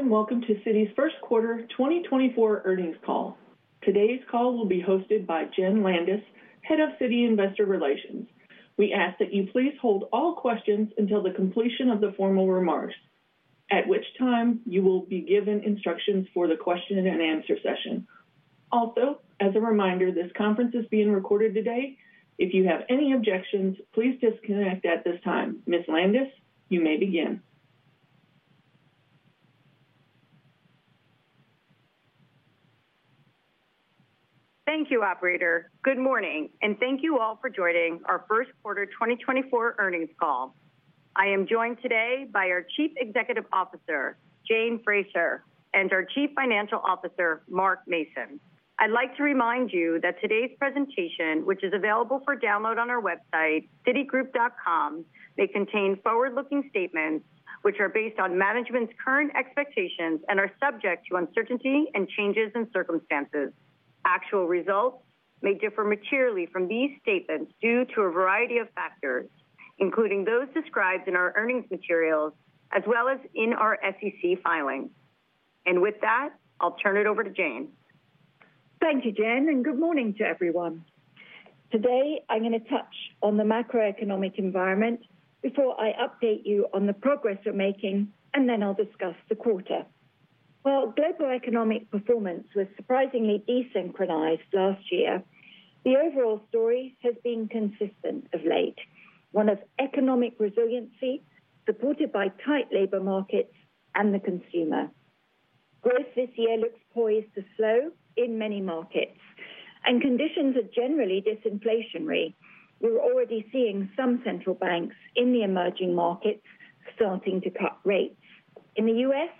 Hello, and welcome to Citi's First Quarter 2024 Earnings Call. Today's call will be hosted by Jenn Landis, Head of Citi Investor Relations. We ask that you please hold all questions until the completion of the formal remarks, at which time you will be given instructions for the question and answer session. Also, as a reminder, this conference is being recorded today. If you have any objections, please disconnect at this time. Ms. Landis, you may begin. Thank you, operator. Good morning, and thank you all for joining our first quarter 2024 earnings call. I am joined today by our Chief Executive Officer, Jane Fraser, and our Chief Financial Officer, Mark Mason. I'd like to remind you that today's presentation, which is available for download on our website, citigroup.com, may contain forward-looking statements which are based on management's current expectations and are subject to uncertainty and changes in circumstances. Actual results may differ materially from these statements due to a variety of factors, including those described in our earnings materials as well as in our SEC filings. With that, I'll turn it over to Jane. Thank you, Jen, and good morning to everyone. Today, I'm gonna touch on the macroeconomic environment before I update you on the progress we're making, and then I'll discuss the quarter. While global economic performance was surprisingly desynchronized last year, the overall story has been consistent of late, one of economic resiliency, supported by tight labor markets and the consumer. Growth this year looks poised to slow in many markets, and conditions are generally disinflationary. We're already seeing some central banks in the emerging markets starting to cut rates. In the U.S.,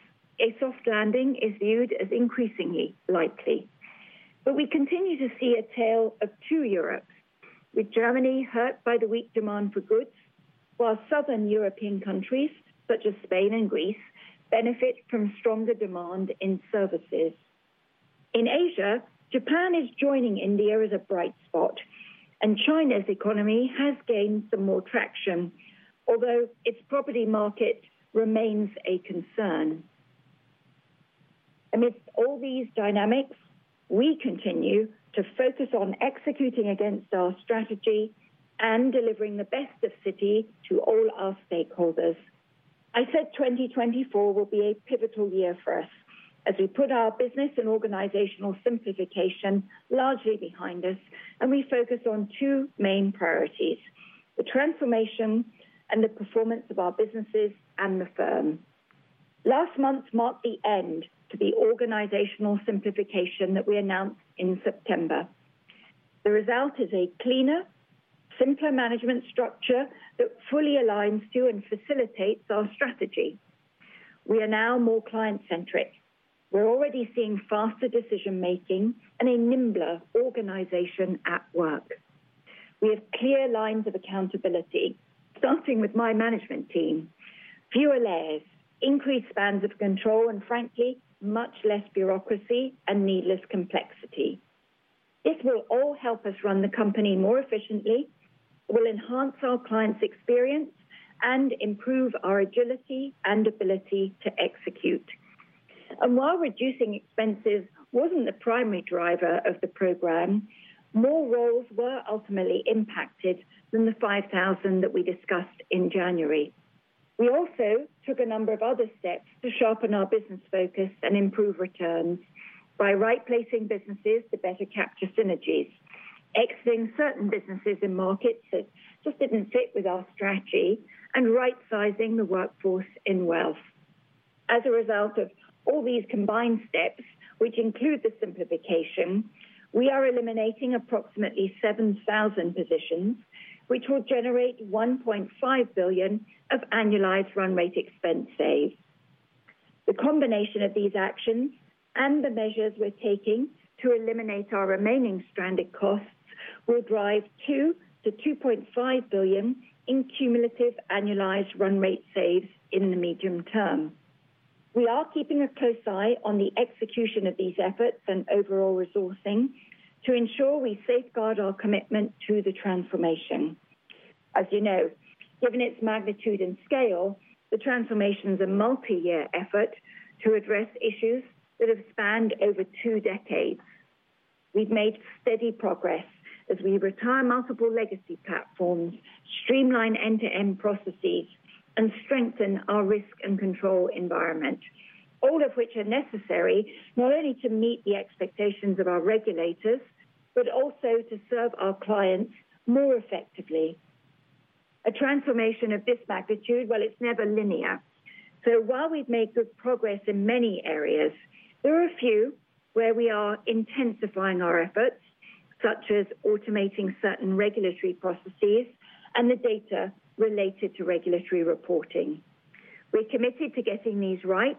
a soft landing is viewed as increasingly likely. But we continue to see a tale of two Europes, with Germany hurt by the weak demand for goods, while southern European countries, such as Spain and Greece, benefit from stronger demand in services. In Asia, Japan is joining India as a bright spot, and China's economy has gained some more traction, although its property market remains a concern. Amidst all these dynamics, we continue to focus on executing against our strategy and delivering the best of Citi to all our stakeholders. I said 2024 will be a pivotal year for us as we put our business and organizational simplification largely behind us, and we focus on two main priorities, the transformation and the performance of our businesses and the firm. Last month marked the end to the organizational simplification that we announced in September. The result is a cleaner, simpler management structure that fully aligns to and facilitates our strategy. We are now more client-centric. We're already seeing faster decision-making and a nimbler organization at work. We have clear lines of accountability, starting with my management team, fewer layers, increased spans of control, and frankly, much less bureaucracy and needless complexity. This will all help us run the company more efficiently, will enhance our clients' experience, and improve our agility and ability to execute. And while reducing expenses wasn't the primary driver of the program, more roles were ultimately impacted than the 5,000 that we discussed in January. We also took a number of other steps to sharpen our business focus and improve returns by right-placing businesses to better capture synergies, exiting certain businesses and markets that just didn't fit with our strategy, and right-sizing the workforce in wealth. As a result of all these combined steps, which include the simplification, we are eliminating approximately 7,000 positions, which will generate $1.5 billion of annualized run-rate expense savings. The combination of these actions and the measures we're taking to eliminate our remaining stranded costs will drive $2 billion-$2.5 billion in cumulative annualized run rate saves in the medium term. We are keeping a close eye on the execution of these efforts and overall resourcing to ensure we safeguard our commitment to the transformation. As you know, given its magnitude and scale, the transformation is a multi-year effort to address issues that have spanned over 2 decades. We've made steady progress as we retire multiple legacy platforms, streamline end-to-end processes, and strengthen our risk and control environment, all of which are necessary not only to meet the expectations of our regulators, but also to serve our clients more effectively. A transformation of this magnitude, well, it's never linear. So while we've made good progress in many areas, there are a few where we are intensifying our efforts, such as automating certain regulatory processes and the data related to regulatory reporting. We're committed to getting these right,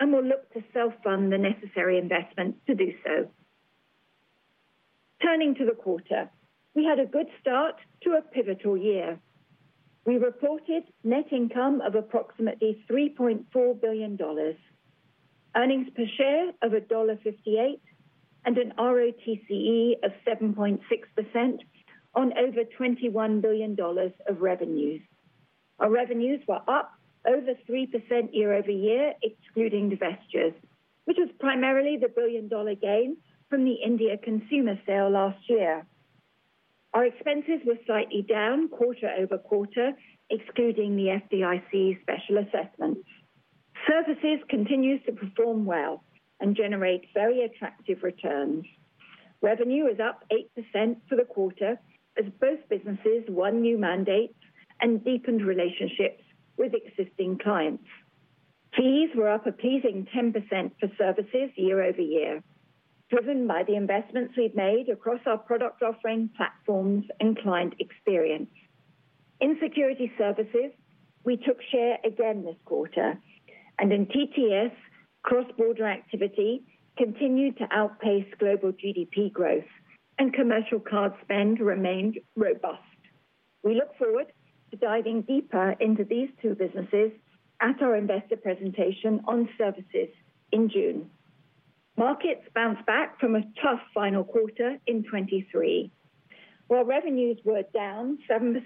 and we'll look to self-fund the necessary investment to do so. Turning to the quarter, we had a good start to a pivotal year. We reported net income of approximately $3.4 billion, earnings per share of $1.58, and an ROTCE of 7.6% on over $21 billion of revenues. Our revenues were up over 3% year-over-year, excluding divestitures, which was primarily the billion-dollar gain from the India consumer sale last year. Our expenses were slightly down quarter-over-quarter, excluding the FDIC special assessment. Services continues to perform well and generate very attractive returns. Revenue is up 8% for the quarter, as both businesses won new mandates and deepened relationships with existing clients. Fees were up a pleasing 10% for services year-over-year, driven by the investments we've made across our product offering, platforms, and client experience. In security services, we took share again this quarter, and in TTS, cross-border activity continued to outpace global GDP growth, and commercial card spend remained robust. We look forward to diving deeper into these two businesses at our investor presentation on services in June. Markets bounced back from a tough final quarter in 2023. While revenues were down 7%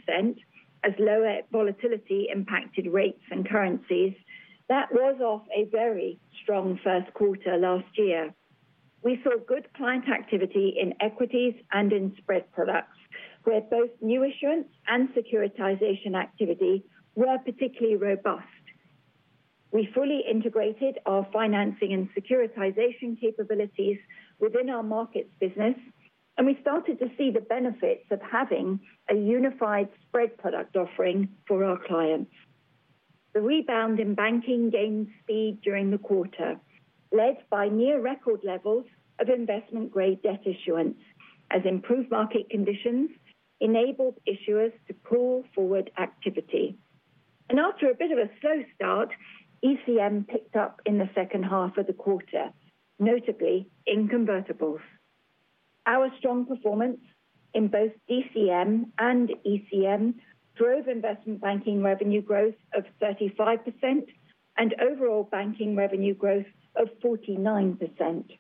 as lower volatility impacted rates and currencies, that was off a very strong first quarter last year. We saw good client activity in equities and in spread products, where both new issuance and securitization activity were particularly robust. We fully integrated our financing and securitization capabilities within our markets business, and we started to see the benefits of having a unified spread product offering for our clients. The rebound in banking gained speed during the quarter, led by near record levels of investment-grade debt issuance, as improved market conditions enabled issuers to pull forward activity. After a bit of a slow start, ECM picked up in the second half of the quarter, notably in convertibles. Our strong performance in both DCM and ECM drove investment banking revenue growth of 35% and overall banking revenue growth of 49%.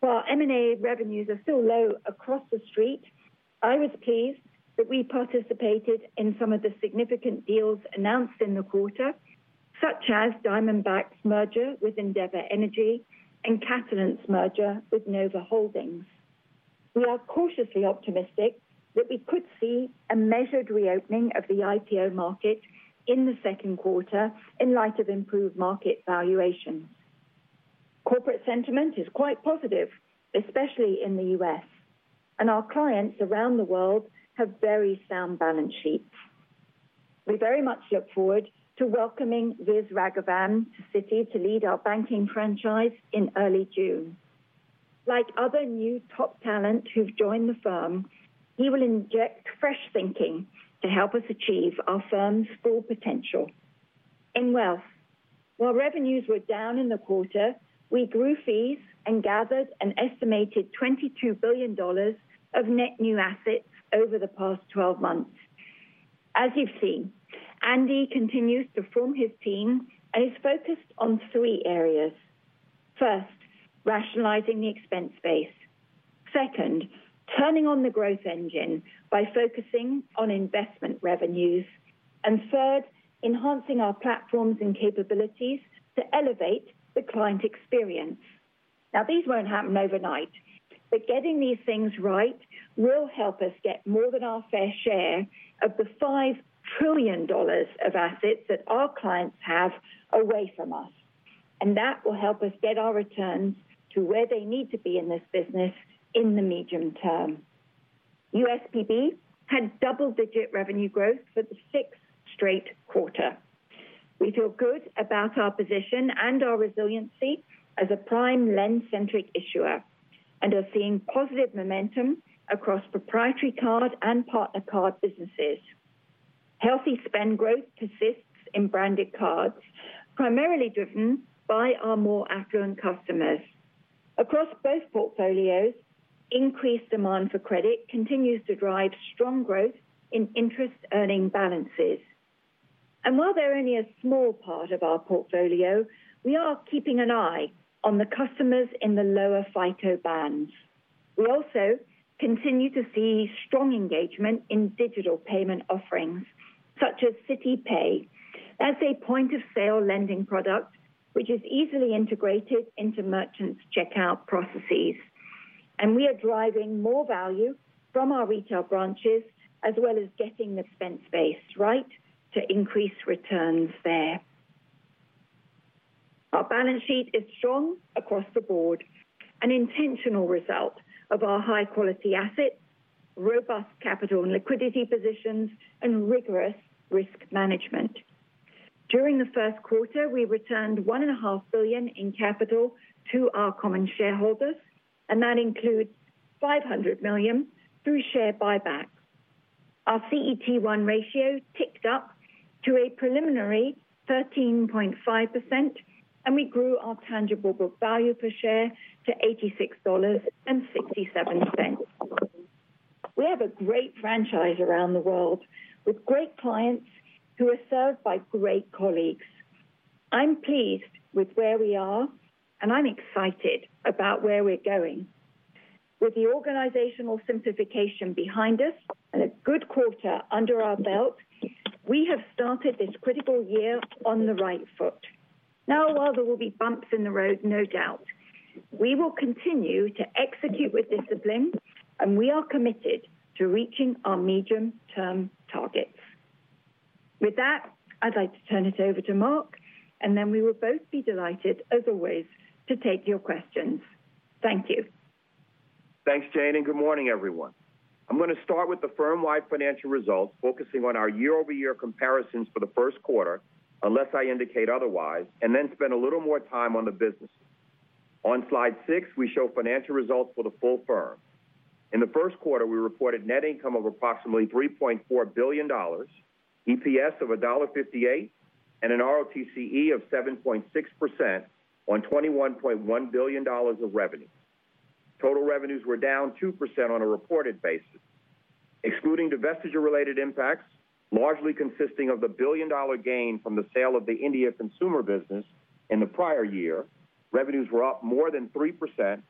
While M&A revenues are still low across the street, I was pleased that we participated in some of the significant deals announced in the quarter, such as Diamondback's merger with Endeavor Energy and Catalent's merger with Nova Holdings. We are cautiously optimistic that we could see a measured reopening of the IPO market in the second quarter in light of improved market valuations. Corporate sentiment is quite positive, especially in the U.S., and our clients around the world have very sound balance sheets. We very much look forward to welcoming Vis Raghavan to Citi to lead our banking franchise in early June. Like other new top talent who've joined the firm, he will inject fresh thinking to help us achieve our firm's full potential. In Wealth, while revenues were down in the quarter, we grew fees and gathered an estimated $22 billion of net new assets over the past 12 months. As you've seen, Andy continues to form his team and is focused on three areas. First, rationalizing the expense base. Second, turning on the growth engine by focusing on investment revenues. And third, enhancing our platforms and capabilities to elevate the client experience. Now, these won't happen overnight, but getting these things right will help us get more than our fair share of the $5 trillion of assets that our clients have away from us, and that will help us get our returns to where they need to be in this business in the medium term. USPB had double-digit revenue growth for the sixth straight quarter. We feel good about our position and our resiliency as a prime lend-centric issuer, and are seeing positive momentum across proprietary card and partner card businesses. Healthy spend growth persists in branded cards, primarily driven by our more affluent customers. Across both portfolios, increased demand for credit continues to drive strong growth in interest earning balances. And while they're only a small part of our portfolio, we are keeping an eye on the customers in the lower FICO bands. We also continue to see strong engagement in digital payment offerings, such as Citi Pay, as a point-of-sale lending product, which is easily integrated into merchants' checkout processes. And we are driving more value from our retail branches, as well as getting the expense base right to increase returns there. Our balance sheet is strong across the board, an intentional result of our high-quality assets, robust capital and liquidity positions, and rigorous risk management. During the first quarter, we returned $1.5 billion in capital to our common shareholders, and that includes $500 million through share buybacks. Our CET1 ratio ticked up to a preliminary 13.5%, and we grew our tangible book value per share to $86.67. We have a great franchise around the world, with great clients who are served by great colleagues. I'm pleased with where we are, and I'm excited about where we're going. With the organizational simplification behind us and a good quarter under our belt, we have started this critical year on the right foot. Now, while there will be bumps in the road, no doubt, we will continue to execute with discipline, and we are committed to reaching our medium-term targets. With that, I'd like to turn it over to Mark, and then we will both be delighted, as always, to take your questions. Thank you. Thanks, Jane, and good morning, everyone. I'm going to start with the firm-wide financial results, focusing on our year-over-year comparisons for the first quarter, unless I indicate otherwise, and then spend a little more time on the business. On slide six, we show financial results for the full firm. In the first quarter, we reported net income of approximately $3.4 billion, EPS of $1.58, and an ROTCE of 7.6% on $21.1 billion of revenue. Total revenues were down 2% on a reported basis. Excluding divestiture-related impacts, largely consisting of the $1 billion gain from the sale of the India consumer business in the prior year, revenues were up more than 3%,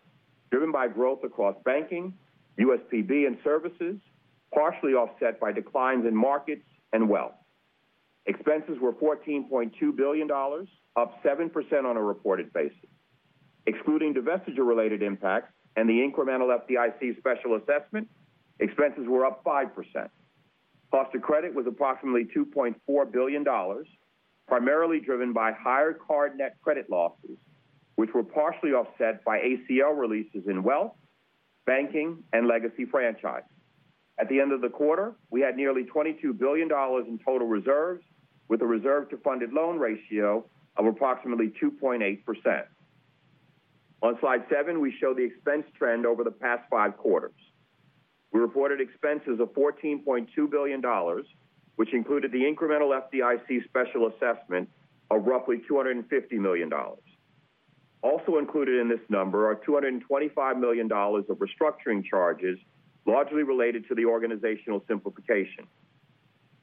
driven by growth across banking, USPB, and services, partially offset by declines in markets and wealth. Expenses were $14.2 billion, up 7% on a reported basis. Excluding divestiture-related impacts and the incremental FDIC special assessment, expenses were up 5%. Cost of credit was approximately $2.4 billion, primarily driven by higher card net credit losses, which were partially offset by ACL releases in wealth, banking, and legacy franchise. At the end of the quarter, we had nearly $22 billion in total reserves, with a reserve to funded loan ratio of approximately 2.8%. On slide seven, we show the expense trend over the past five quarters. We reported expenses of $14.2 billion, which included the incremental FDIC special assessment of roughly $250 million. Also included in this number are $225 million of restructuring charges, largely related to the organizational simplification.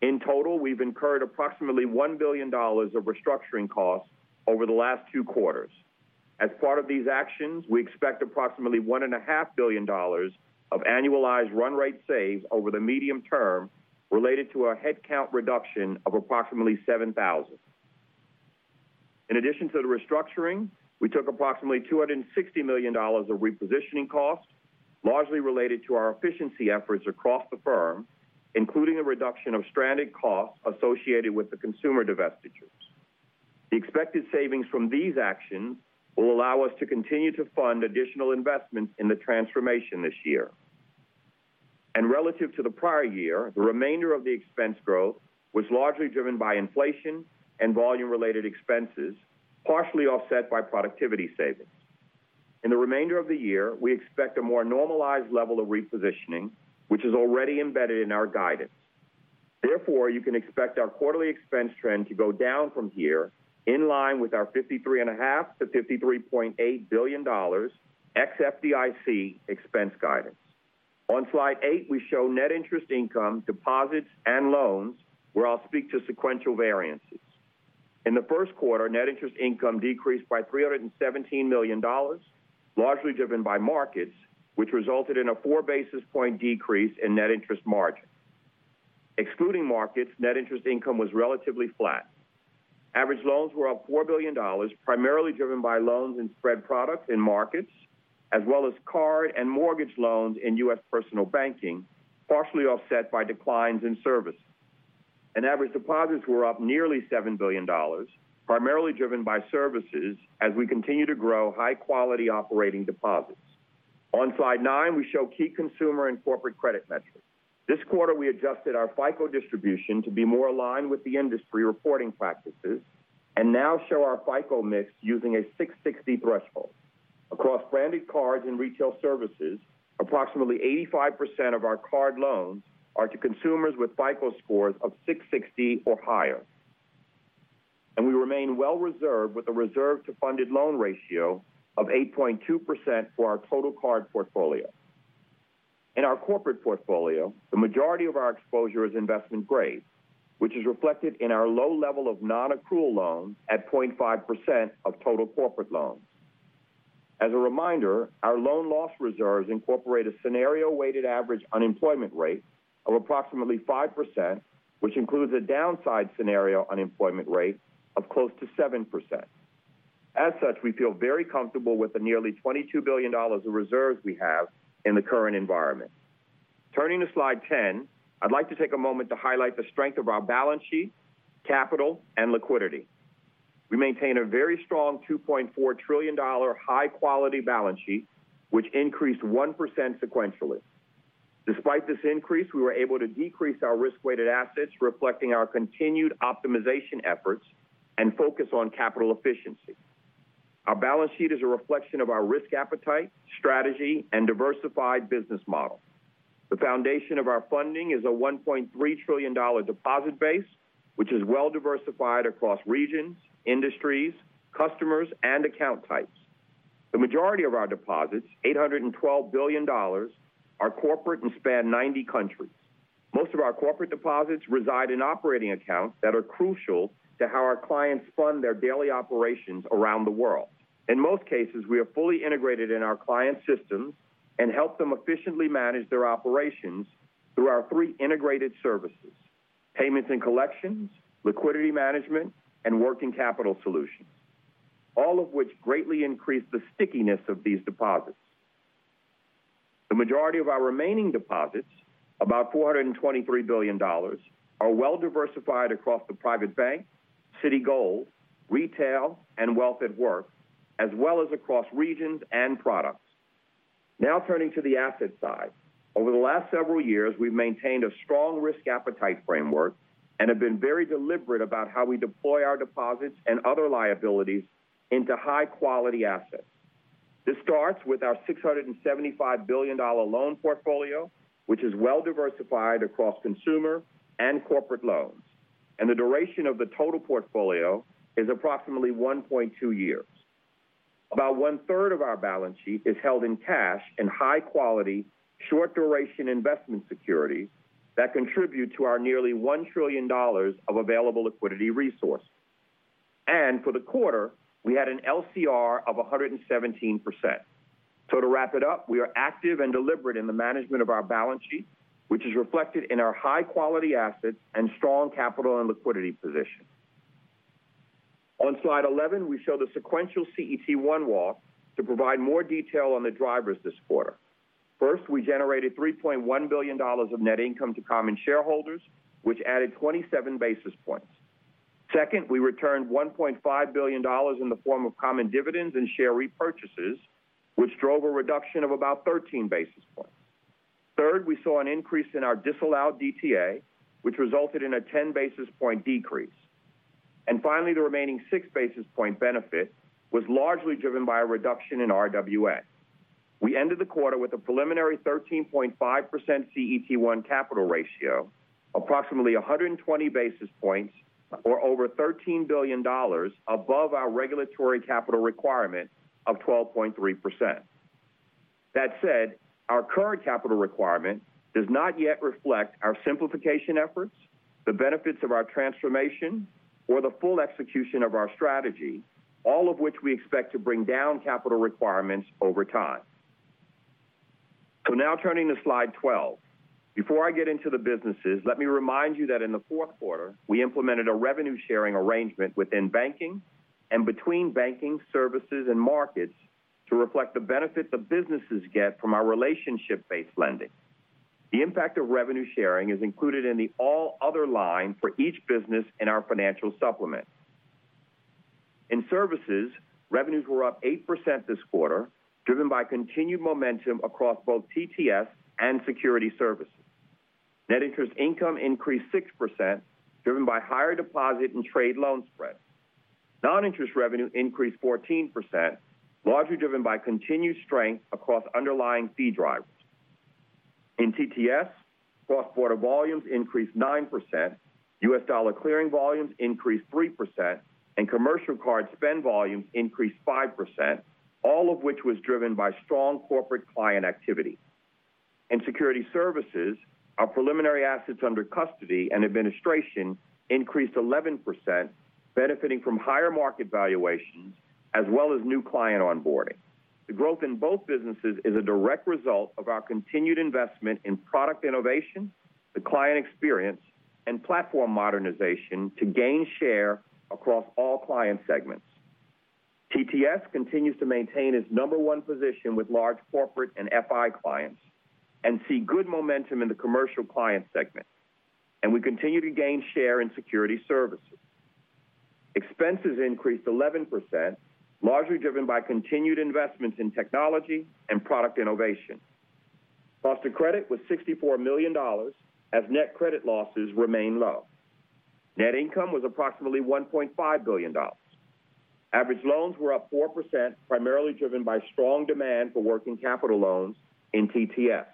In total, we've incurred approximately $1 billion of restructuring costs over the last two quarters. As part of these actions, we expect approximately $1.5 billion of annualized run rate saves over the medium term related to a headcount reduction of approximately 7,000. In addition to the restructuring, we took approximately $260 million of repositioning costs, largely related to our efficiency efforts across the firm, including a reduction of stranded costs associated with the consumer divestitures. The expected savings from these actions will allow us to continue to fund additional investments in the transformation this year. Relative to the prior year, the remainder of the expense growth was largely driven by inflation and volume-related expenses, partially offset by productivity savings. In the remainder of the year, we expect a more normalized level of repositioning, which is already embedded in our guidance. Therefore, you can expect our quarterly expense trend to go down from here, in line with our $53.5 billion-$53.8 billion ex-FDIC expense guidance. On slide eight, we show net interest income, deposits, and loans, where I'll speak to sequential variances. In the first quarter, net interest income decreased by $317 million, largely driven by markets, which resulted in a 4 basis point decrease in net interest margin. Excluding markets, net interest income was relatively flat. Average loans were up $4 billion, primarily driven by loans and spread products in markets, as well as card and mortgage loans in, partially offset by declines in services. Average deposits were up nearly $7 billion, primarily driven by services as we continue to grow high-quality operating deposits. On slide 9, we show key consumer and corporate credit metrics. This quarter, we adjusted our FICO distribution to be more aligned with the industry reporting practices and now show our FICO mix using a 660 threshold. Across branded cards and retail services, approximately 85% of our card loans are to consumers with FICO scores of 660 or higher. We remain well reserved, with a reserve to funded loan ratio of 8.2% for our total card portfolio. In our corporate portfolio, the majority of our exposure is investment grade, which is reflected in our low level of nonaccrual loans at 0.5% of total corporate loans. As a reminder, our loan loss reserves incorporate a scenario-weighted average unemployment rate of approximately 5%, which includes a downside scenario unemployment rate of close to 7%. As such, we feel very comfortable with the nearly $22 billion of reserves we have in the current environment. Turning to slide 10, I'd like to take a moment to highlight the strength of our balance sheet, capital, and liquidity. We maintain a very strong $2.4 trillion high-quality balance sheet, which increased 1% sequentially. Despite this increase, we were able to decrease our risk-weighted assets, reflecting our continued optimization efforts and focus on capital efficiency. Our balance sheet is a reflection of our risk appetite, strategy, and diversified business model. The foundation of our funding is a $1.3 trillion deposit base, which is well diversified across regions, industries, customers, and account types. The majority of our deposits, $812 billion, are corporate and span 90 countries. Most of our corporate deposits reside in operating accounts that are crucial to how our clients fund their daily operations around the world. In most cases, we are fully integrated in our client systems and help them efficiently manage their operations through our three integrated services, payments and collections, liquidity management, and working capital solutions, all of which greatly increase the stickiness of these deposits. The majority of our remaining deposits, about $423 billion, are well diversified across the Private Bank, Citigold, Retail, and Wealth at Work, as well as across regions and products. Now, turning to the asset side. Over the last several years, we've maintained a strong risk appetite framework and have been very deliberate about how we deploy our deposits and other liabilities into high-quality assets. This starts with our $675 billion loan portfolio, which is well diversified across consumer and corporate loans, and the duration of the total portfolio is approximately 1.2 years. About one-third of our balance sheet is held in cash and high-quality, short-duration investment securities that contribute to our nearly $1 trillion of available liquidity resource. For the quarter, we had an LCR of 117%. To wrap it up, we are active and deliberate in the management of our balance sheet, which is reflected in our high-quality assets and strong capital and liquidity position. On slide 11, we show the sequential CET1 walk to provide more detail on the drivers this quarter. First, we generated $3.1 billion of net income to common shareholders, which added 27 basis points. Second, we returned $1.5 billion in the form of common dividends and share repurchases, which drove a reduction of about 13 basis points. Third, we saw an increase in our disallowed DTA, which resulted in a 10 basis point decrease. Finally, the remaining 6 basis point benefit was largely driven by a reduction in RWA. We ended the quarter with a preliminary 13.5% CET1 capital ratio, approximately 120 basis points, or over $13 billion above our regulatory capital requirement of 12.3%. That said, our current capital requirement does not yet reflect our simplification efforts, the benefits of our transformation, or the full execution of our strategy, all of which we expect to bring down capital requirements over time. So now turning to slide 12. Before I get into the businesses, let me remind you that in the fourth quarter, we implemented a revenue-sharing arrangement within banking and between banking, services, and markets to reflect the benefits the businesses get from our relationship-based lending. The impact of revenue sharing is included in the all other line for each business in our financial supplement. In services, revenues were up 8% this quarter, driven by continued momentum across both TTS and security services. Net interest income increased 6%, driven by higher deposit and trade loan spreads. Non-interest revenue increased 14%, largely driven by continued strength across underlying fee drivers. In TTS, cross-border volumes increased 9%, US dollar clearing volumes increased 3%, and commercial card spend volumes increased 5%, all of which was driven by strong corporate client activity. In security services, our preliminary assets under custody and administration increased 11%, benefiting from higher market valuations, as well as new client onboarding. The growth in both businesses is a direct result of our continued investment in product innovation, the client experience, and platform modernization to gain share across all client segments. TTS continues to maintain its number one position with large corporate and FI clients, and see good momentum in the commercial client segment, and we continue to gain share in security services. Expenses increased 11%, largely driven by continued investments in technology and product innovation. Cost of credit was $64 million, as net credit losses remain low. Net income was approximately $1.5 billion. Average loans were up 4%, primarily driven by strong demand for working capital loans in TTS.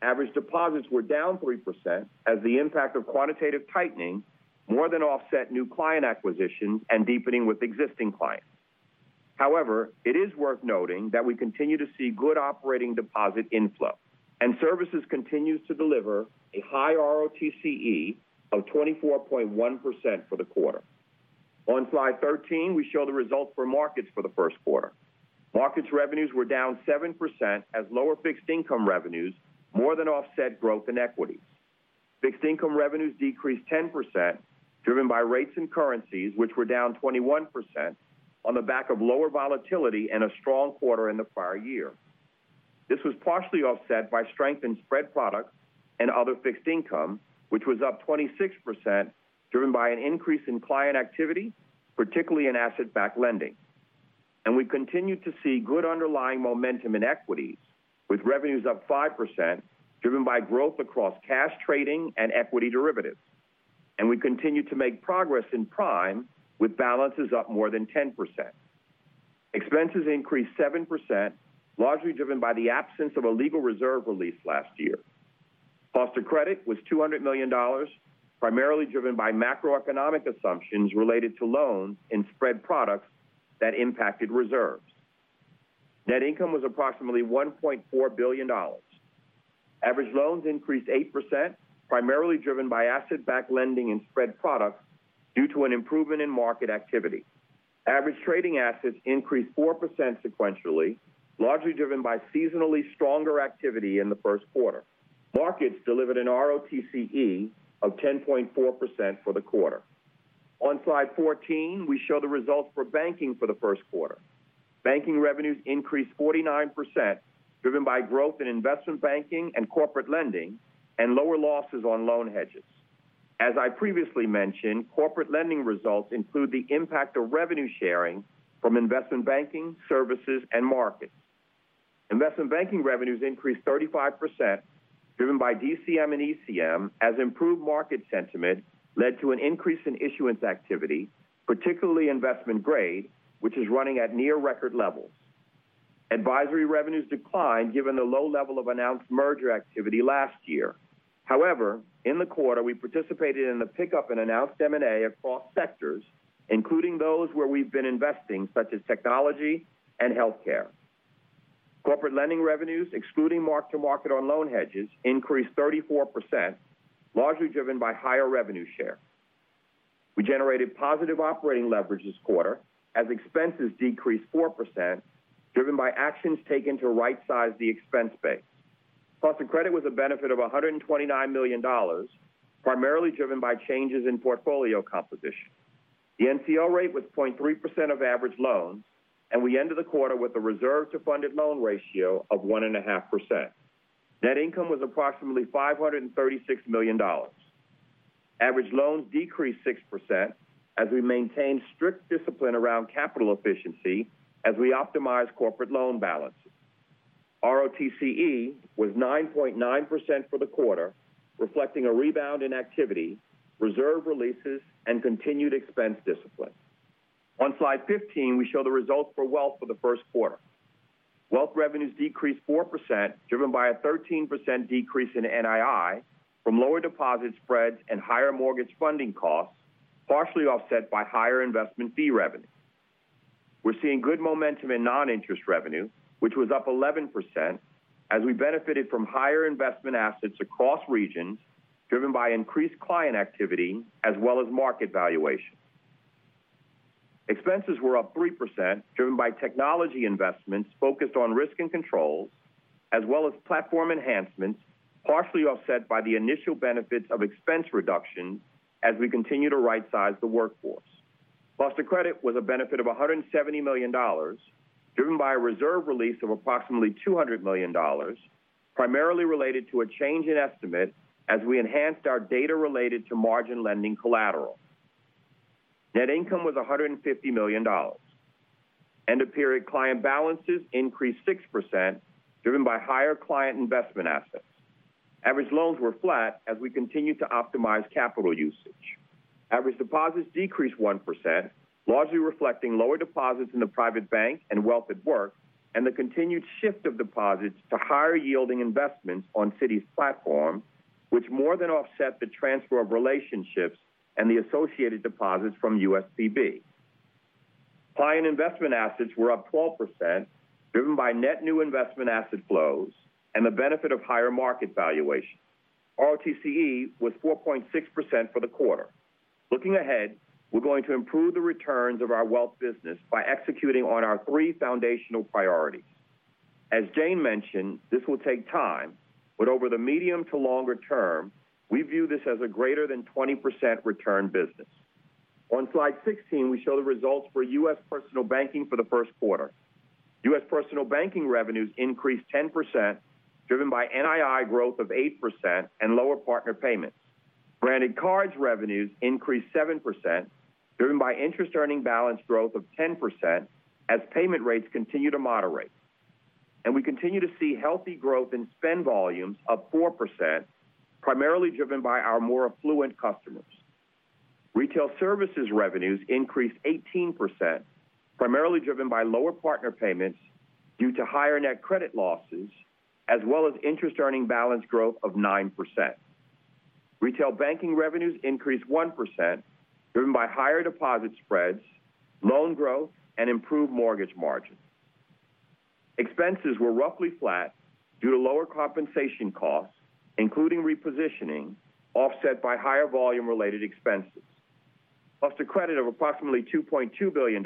Average deposits were down 3%, as the impact of quantitative tightening more than offset new client acquisitions and deepening with existing clients. However, it is worth noting that we continue to see good operating deposit inflow, and Services continues to deliver a high ROTCE of 24.1% for the quarter. On slide 13, we show the results for Markets for the first quarter. Markets revenues were down 7%, as lower fixed income revenues more than offset growth in equities. Fixed income revenues decreased 10%, driven by rates and currencies, which were down 21% on the back of lower volatility and a strong quarter in the prior year. This was partially offset by strength in spread products and other fixed income, which was up 26%, driven by an increase in client activity, particularly in asset-backed lending. We continued to see good underlying momentum in equities, with revenues up 5%, driven by growth across cash trading and equity derivatives. We continued to make progress in prime, with balances up more than 10%. Expenses increased 7%, largely driven by the absence of a legal reserve release last year. Cost of credit was $200 million, primarily driven by macroeconomic assumptions related to loans and spread products that impacted reserves. Net income was approximately $1.4 billion. Average loans increased 8%, primarily driven by asset-backed lending and spread products due to an improvement in market activity. Average trading assets increased 4% sequentially, largely driven by seasonally stronger activity in the first quarter. Markets delivered an ROTCE of 10.4% for the quarter. On slide 14, we show the results for banking for the first quarter. Banking revenues increased 49%, driven by growth in investment banking and Corporate Lending, and lower losses on loan hedges. As I previously mentioned, Corporate Lending results include the impact of revenue sharing from investment banking, services, and markets. Investment banking revenues increased 35%, driven by DCM and ECM, as improved market sentiment led to an increase in issuance activity, particularly investment grade, which is running at near record levels. Advisory revenues declined, given the low level of announced merger activity last year. However, in the quarter, we participated in the pickup in announced M&A across sectors, including those where we've been investing, such as technology and healthcare. Corporate Lending revenues, excluding mark-to-market on loan hedges, increased 34%, largely driven by higher revenue share. We generated positive operating leverage this quarter as expenses decreased 4%, driven by actions taken to rightsize the expense base. Cost of credit was a benefit of $129 million, primarily driven by changes in portfolio composition. The NCL rate was 0.3% of average loans, and we ended the quarter with a reserve to funded loan ratio of 1.5%. Net income was approximately $536 million. Average loans decreased 6% as we maintained strict discipline around capital efficiency as we optimized corporate loan balances. ROTCE was 9.9% for the quarter, reflecting a rebound in activity, reserve releases, and continued expense discipline. On slide 15, we show the results for wealth for the first quarter. Wealth revenues decreased 4%, driven by a 13% decrease in NII from lower deposit spreads and higher mortgage funding costs, partially offset by higher investment fee revenue. We're seeing good momentum in non-interest revenue, which was up 11%, as we benefited from higher investment assets across regions, driven by increased client activity as well as market valuation. Expenses were up 3%, driven by technology investments focused on risk and controls, as well as platform enhancements, partially offset by the initial benefits of expense reduction as we continue to rightsize the workforce. Cost of credit was a benefit of $170 million, driven by a reserve release of approximately $200 million, primarily related to a change in estimate as we enhanced our data related to margin lending collateral. Net income was $150 million. End-of-period client balances increased 6%, driven by higher client investment assets. Average loans were flat as we continued to optimize capital usage. Average deposits decreased 1%, largely reflecting lower deposits in the private bank and Wealth at Work, and the continued shift of deposits to higher-yielding investments on Citi's platform, which more than offset the transfer of relationships and the associated deposits from USPB. Client investment assets were up 12%, driven by net new investment asset flows and the benefit of higher market valuation. ROTCE was 4.6% for the quarter. Looking ahead, we're going to improve the returns of our wealth business by executing on our three foundational priorities. As Jane mentioned, this will take time, but over the medium to longer term, we view this as a greater than 20% return business. On slide 16, we show the results for U.S. Personal Banking for the first quarter. U.S. Personal Banking revenues increased 10%, driven by NII growth of 8% and lower partner payments. Branded cards revenues increased 7%, driven by interest earning balance growth of 10% as payment rates continue to moderate. We continue to see healthy growth in spend volumes of 4%, primarily driven by our more affluent customers. Retail services revenues increased 18%, primarily driven by lower partner payments due to higher net credit losses, as well as interest earning balance growth of 9%. Retail banking revenues increased 1%, driven by higher deposit spreads, loan growth, and improved mortgage margins. Expenses were roughly flat due to lower compensation costs, including repositioning, offset by higher volume-related expenses. Cost of credit of approximately $2.2 billion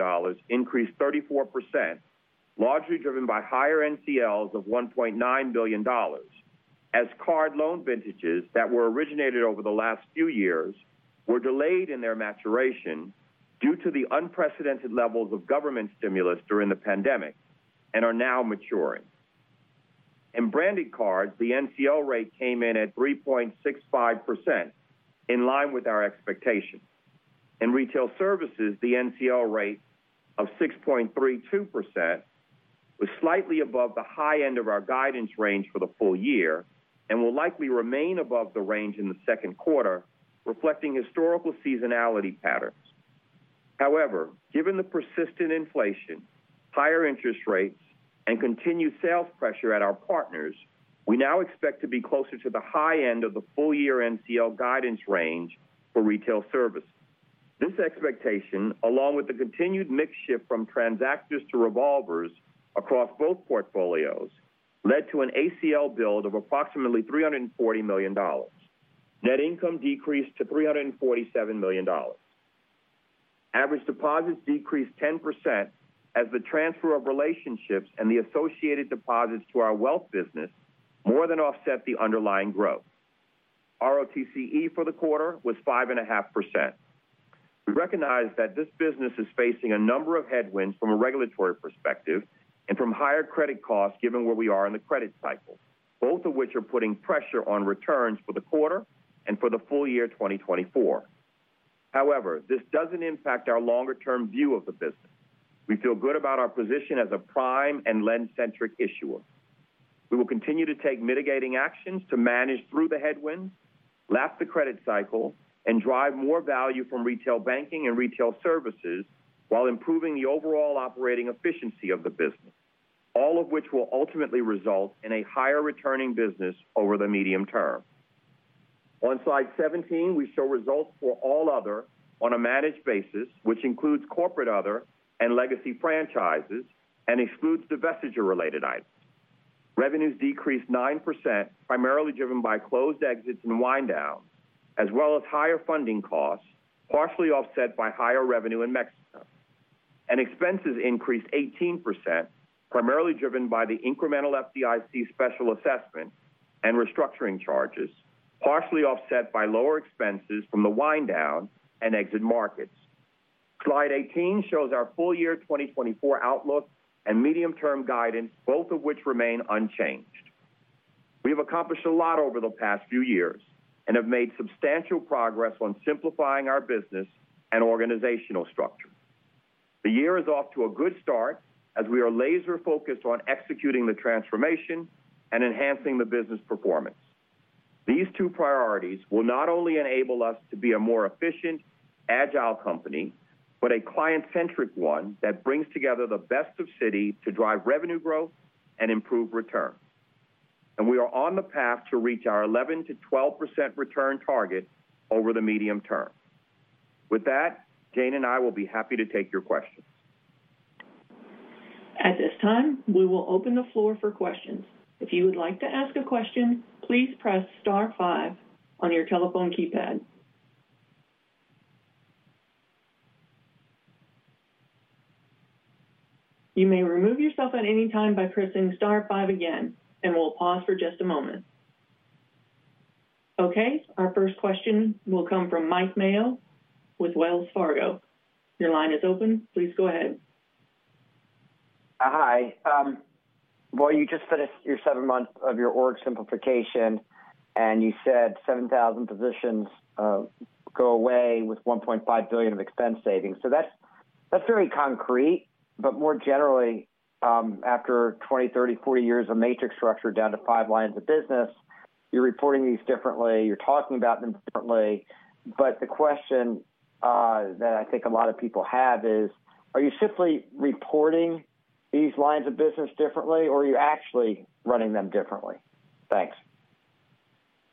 increased 34%, largely driven by higher NCLs of $1.9 billion, as card loan vintages that were originated over the last few years were delayed in their maturation due to the unprecedented levels of government stimulus during the pandemic and are now maturing. In branded cards, the NCL rate came in at 3.65%, in line with our expectations. In retail services, the NCL rate of 6.32% was slightly above the high end of our guidance range for the full year and will likely remain above the range in the second quarter, reflecting historical seasonality patterns.... However, given the persistent inflation, higher interest rates, and continued sales pressure at our partners, we now expect to be closer to the high end of the full year NCL guidance range for retail service. This expectation, along with the continued mix shift from transactors to revolvers across both portfolios, led to an ACL build of approximately $340 million. Net income decreased to $347 million. Average deposits decreased 10% as the transfer of relationships and the associated deposits to our wealth business more than offset the underlying growth. ROTCE for the quarter was 5.5%. We recognize that this business is facing a number of headwinds from a regulatory perspective and from higher credit costs, given where we are in the credit cycle, both of which are putting pressure on returns for the quarter and for the full year, 2024. However, this doesn't impact our longer-term view of the business. We feel good about our position as a prime and lend-centric issuer. We will continue to take mitigating actions to manage through the headwinds, lap the credit cycle, and drive more value from retail banking and retail services, while improving the overall operating efficiency of the business, all of which will ultimately result in a higher returning business over the medium term. On slide 17, we show results for all other on a managed basis, which includes corporate other and legacy franchises and excludes divestiture-related items. Revenues decreased 9%, primarily driven by closed exits and wind downs, as well as higher funding costs, partially offset by higher revenue in Mexico. Expenses increased 18%, primarily driven by the incremental FDIC special assessment and restructuring charges, partially offset by lower expenses from the wind down and exit markets. Slide 18 shows our full year 2024 outlook and medium-term guidance, both of which remain unchanged. We have accomplished a lot over the past few years and have made substantial progress on simplifying our business and organizational structure. The year is off to a good start as we are laser-focused on executing the transformation and enhancing the business performance. These two priorities will not only enable us to be a more efficient, agile company, but a client-centric one that brings together the best of Citi to drive revenue growth and improve return. We are on the path to reach our 11%-12% return target over the medium term. With that, Jane and I will be happy to take your questions. At this time, we will open the floor for questions. If you would like to ask a question, please press star five on your telephone keypad. You may remove yourself at any time by pressing star five again, and we'll pause for just a moment. Okay, our first question will come from Mike Mayo with Wells Fargo. Your line is open. Please go ahead. Hi. Well, you just finished your seven months of your org simplification, and you said 7,000 positions go away with $1.5 billion of expense savings. So that's, that's very concrete, but more generally, after 20, 30, 40 years of matrix structure down to 5 lines of business, you're reporting these differently, you're talking about them differently. But the question that I think a lot of people have is, are you simply reporting these lines of business differently, or are you actually running them differently? Thanks.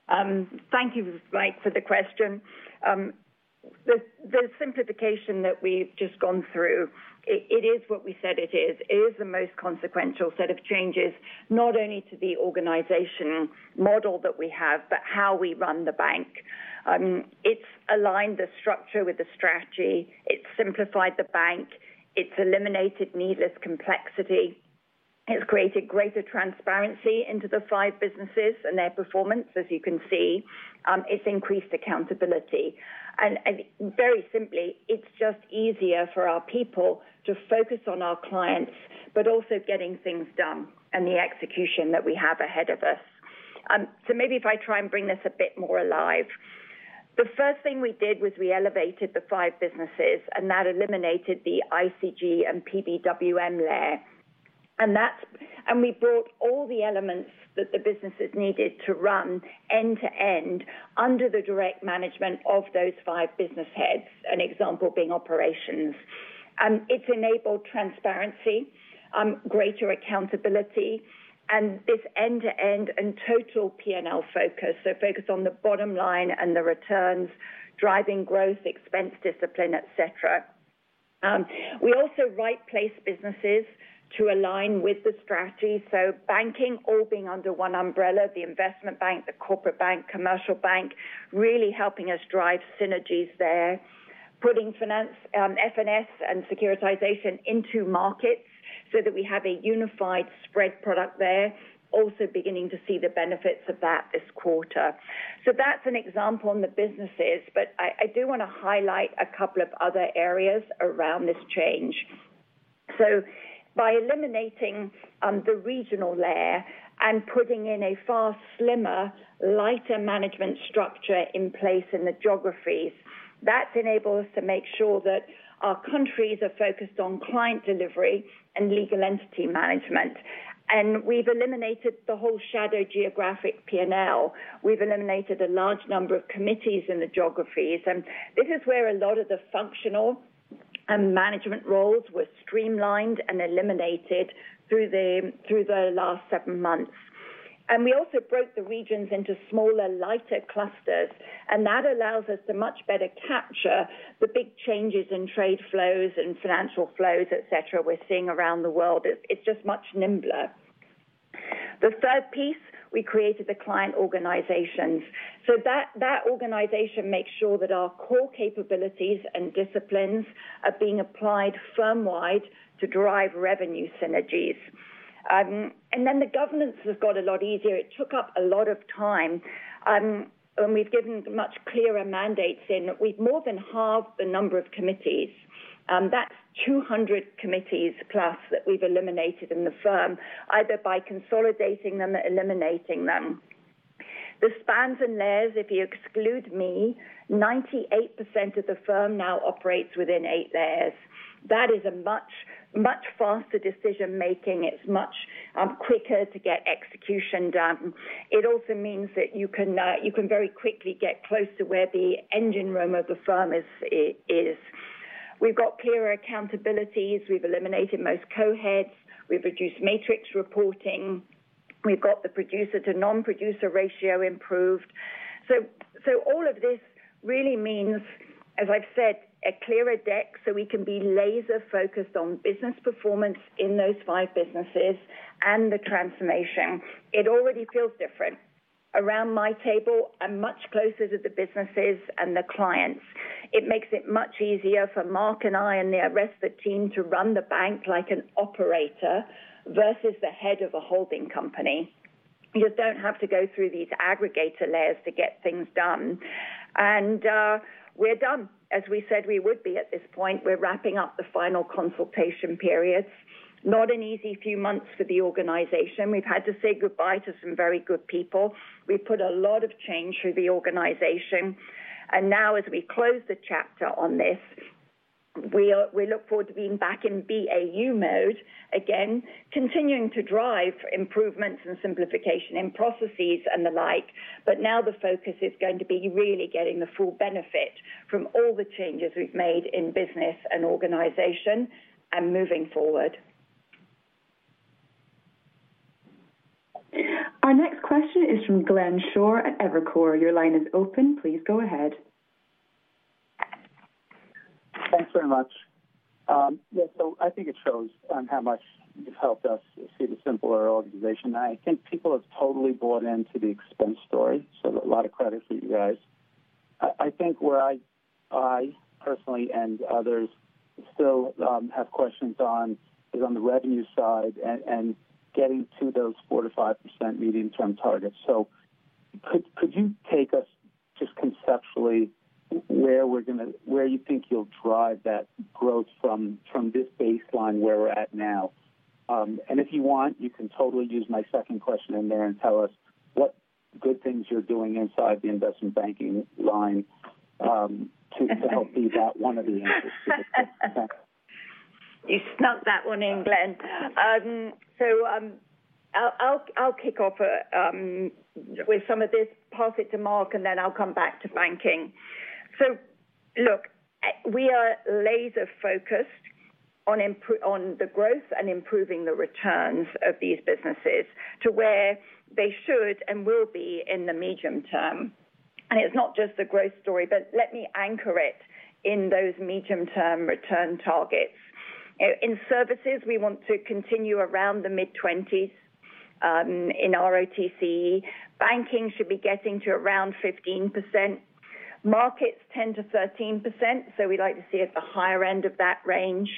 Thank you, Mike, for the question. The simplification that we've just gone through, it is what we said it is. It is the most consequential set of changes, not only to the organization model that we have, but how we run the bank. It's aligned the structure with the strategy. It's simplified the bank. It's eliminated needless complexity. It's created greater transparency into the five businesses and their performance, as you can see. It's increased accountability. And very simply, it's just easier for our people to focus on our clients, but also getting things done and the execution that we have ahead of us. So maybe if I try and bring this a bit more alive. The first thing we did was we elevated the five businesses, and that eliminated the ICG and PBWM layer. And we brought all the elements that the businesses needed to run end-to-end under the direct management of those five business heads, an example being operations. It's enabled transparency, greater accountability, and this end-to-end and total P&L focus, so focus on the bottom line and the returns, driving growth, expense discipline, et cetera. We also repositioned businesses to align with the strategy. So banking all being under one umbrella, the investment bank, the corporate bank, commercial bank, really helping us drive synergies there. Putting finance, F&S and securitization into markets so that we have a unified spread product there. Also beginning to see the benefits of that this quarter. So that's an example on the businesses, but I do wanna highlight a couple of other areas around this change. So by eliminating the regional layer and putting in a far slimmer, lighter management structure in place in the geographies, that's enabled us to make sure that our countries are focused on client delivery and legal entity management. And we've eliminated the whole shadow geographic P&L. We've eliminated a large number of committees in the geographies, and this is where a lot of the functional and management roles were streamlined and eliminated through the last seven months. And we also broke the regions into smaller, lighter clusters, and that allows us to much better capture the big changes in trade flows and financial flows, et cetera, we're seeing around the world. It's just much nimbler. The third piece, we created the client organizations. So that organization makes sure that our core capabilities and disciplines are being applied firm-wide to drive revenue synergies. And then the governance has got a lot easier. It took up a lot of time, and we've given much clearer mandates in. We've more than halved the number of committees, that's 200 committees plus that we've eliminated in the firm, either by consolidating them or eliminating them. The spans and layers, if you exclude me, 98% of the firm now operates within 8 layers. That is a much, much faster decision making. It's much quicker to get execution done. It also means that you can, you can very quickly get close to where the engine room of the firm is, is. We've got clearer accountabilities. We've eliminated most co-heads. We've reduced matrix reporting. We've got the producer to non-producer ratio improved. So all of this really means, as I've said, a clearer deck, so we can be laser focused on business performance in those five businesses and the transformation. It already feels different. Around my table, I'm much closer to the businesses and the clients. It makes it much easier for Mark and I and the rest of the team to run the bank like an operator versus the head of a holding company. You don't have to go through these aggregator layers to get things done. And, we're done, as we said we would be at this point. We're wrapping up the final consultation period. Not an easy few months for the organization. We've had to say goodbye to some very good people. We've put a lot of change through the organization, and now as we close the chapter on this, we look forward to being back in BAU mode, again, continuing to drive improvements and simplification in processes and the like, but now the focus is going to be really getting the full benefit from all the changes we've made in business and organization and moving forward. Our next question is from Glenn Schorr at Evercore. Your line is open. Please go ahead. Thanks very much. Yeah, so I think it shows on how much you've helped us see the simpler organization. I think people have totally bought into the expense story, so a lot of credit for you guys. I think where I personally and others still have questions on is on the revenue side and getting to those 4%-5% medium-term targets. So could you take us just conceptually where you think you'll drive that growth from, from this baseline where we're at now? And if you want, you can totally use my second question in there and tell us what good things you're doing inside the investment banking line to help be that one of the answers. You snuck that one in, Glenn. So, I'll kick off with some of this, pass it to Mark, and then I'll come back to banking. So look, we are laser focused on the growth and improving the returns of these businesses to where they should and will be in the medium term. And it's not just the growth story, but let me anchor it in those medium-term return targets. In services, we want to continue around the mid-20s% in ROTCE. Banking should be getting to around 15%, markets 10%-13%, so we'd like to see at the higher end of that range.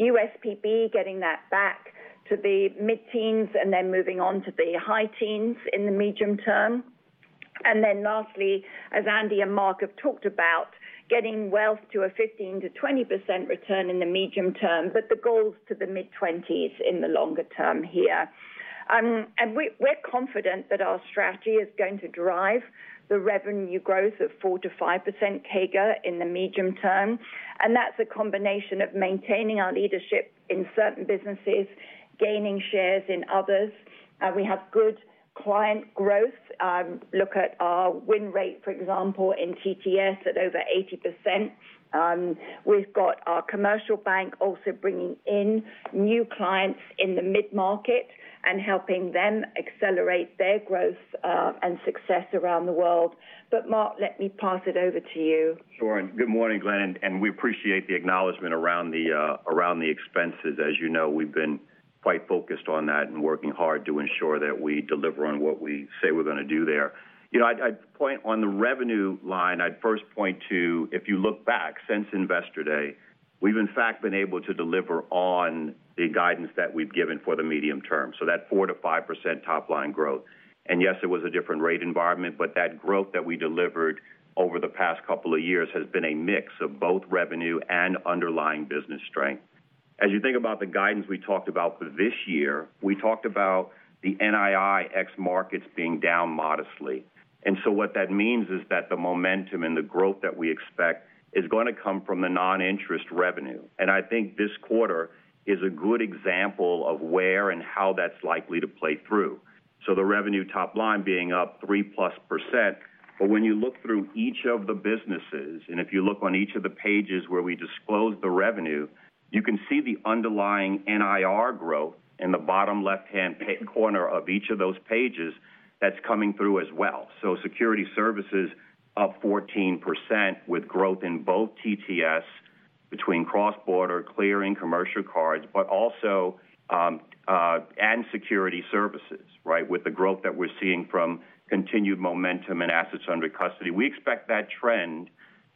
USPB getting that back to the mid-teens% and then moving on to the high teens% in the medium term. And then lastly, as Andy and Mark have talked about, getting wealth to a 15%-20% return in the medium term, but the goal is to the mid-20s in the longer term here. And we're confident that our strategy is going to drive the revenue growth of 4%-5% CAGR in the medium term, and that's a combination of maintaining our leadership in certain businesses, gaining shares in others. We have good client growth. Look at our win rate, for example, in TTS at over 80%. We've got our commercial bank also bringing in new clients in the mid-market and helping them accelerate their growth, and success around the world. But Mark, let me pass it over to you. Sure. Good morning, Glenn, and we appreciate the acknowledgment around the around the expenses. As you know, we've been quite focused on that and working hard to ensure that we deliver on what we say we're going to do there. You know, I'd, I'd point on the revenue line, I'd first point to, if you look back since Investor Day, we've in fact been able to deliver on the guidance that we've given for the medium term, so that 4%-5% top line growth. Yes, it was a different rate environment, but that growth that we delivered over the past couple of years has been a mix of both revenue and underlying business strength. As you think about the guidance we talked about for this year, we talked about the NII ex markets being down modestly. And so what that means is that the momentum and the growth that we expect is going to come from the non-interest revenue. And I think this quarter is a good example of where and how that's likely to play through. So the revenue top line being up 3%+. But when you look through each of the businesses, and if you look on each of the pages where we disclose the revenue, you can see the underlying NIR growth in the bottom left-hand corner of each of those pages that's coming through as well. So security services up 14%, with growth in both TTS, between cross-border clearing, commercial cards, but also, and security services, right? With the growth that we're seeing from continued momentum and assets under custody. We expect that trend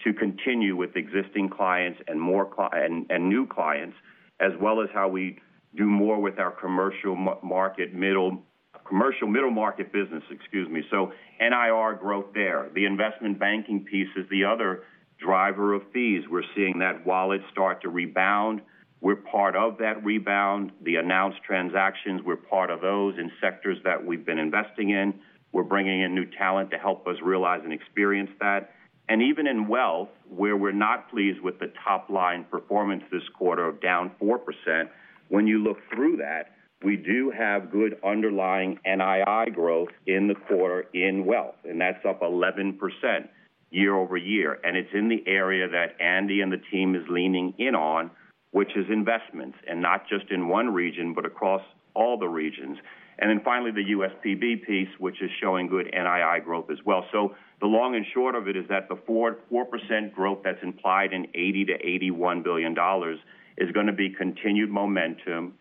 to continue with existing clients and more and new clients, as well as how we do more with our commercial middle market business, excuse me. So NIR growth there. The investment banking piece is the other driver of fees. We're seeing that wallet start to rebound. We're part of that rebound. The announced transactions, we're part of those in sectors that we've been investing in. We're bringing in new talent to help us realize and experience that. And even in wealth, where we're not pleased with the top line performance this quarter of down 4%, when you look through that, we do have good underlying NII growth in the quarter in wealth, and that's up 11% year-over-year. It's in the area that Andy and the team is leaning in on, which is investments, and not just in one region, but across all the regions. And then finally, the USPB piece, which is showing good NII growth as well. So the long and short of it is that the 4.4% growth that's implied in $80 billion-$81 billion is going to be continued momentum,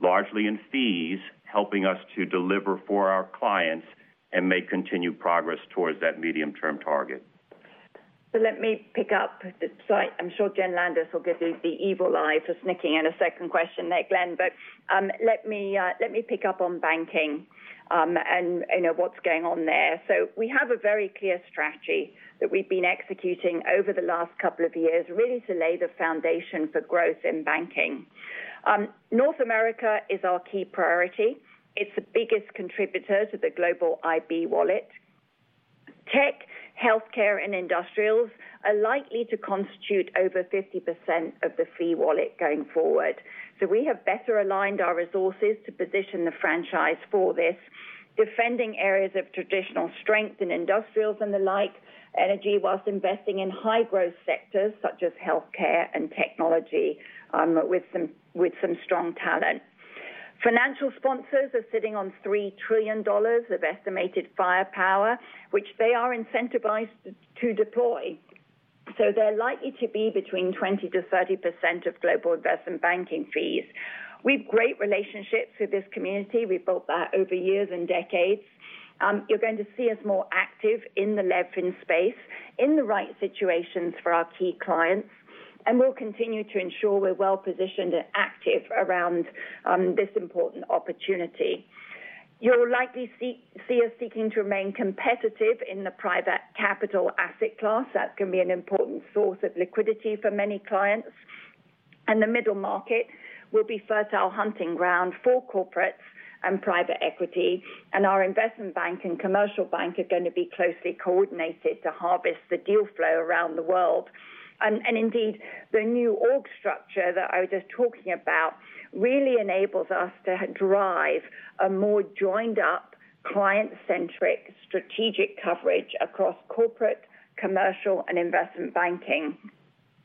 largely in fees, helping us to deliver for our clients and make continued progress towards that medium-term target. So let me pick up. So I, I'm sure Jen Landis will give me the evil eye for sneaking in a second question there, Glenn, but, let me pick up on banking, and, you know, what's going on there. So we have a very clear strategy that we've been executing over the last couple of years, really to lay the foundation for growth in banking. North America is our key priority. It's the biggest contributor to the global IB wallet. Tech, healthcare, and industrials are likely to constitute over 50% of the fee wallet going forward. So we have better aligned our resources to position the franchise for this, defending areas of traditional strength in industrials and the like, energy, whilst investing in high growth sectors, such as healthcare and technology, with some strong talent. Financial sponsors are sitting on $3 trillion of estimated firepower, which they are incentivized to deploy. So they're likely to be between 20%-30% of global investment banking fees. We've great relationships with this community. We've built that over years and decades. You're going to see us more active in the LevFin space, in the right situations for our key clients, and we'll continue to ensure we're well positioned and active around this important opportunity. You'll likely see us seeking to remain competitive in the private capital asset class. That's going to be an important source of liquidity for many clients. And the middle market will be fertile hunting ground for corporates and private equity, and our investment bank and commercial bank are going to be closely coordinated to harvest the deal flow around the world. And indeed, the new org structure that I was just talking about really enables us to drive a more joined up, client-centric, strategic coverage across corporate, commercial, and investment banking.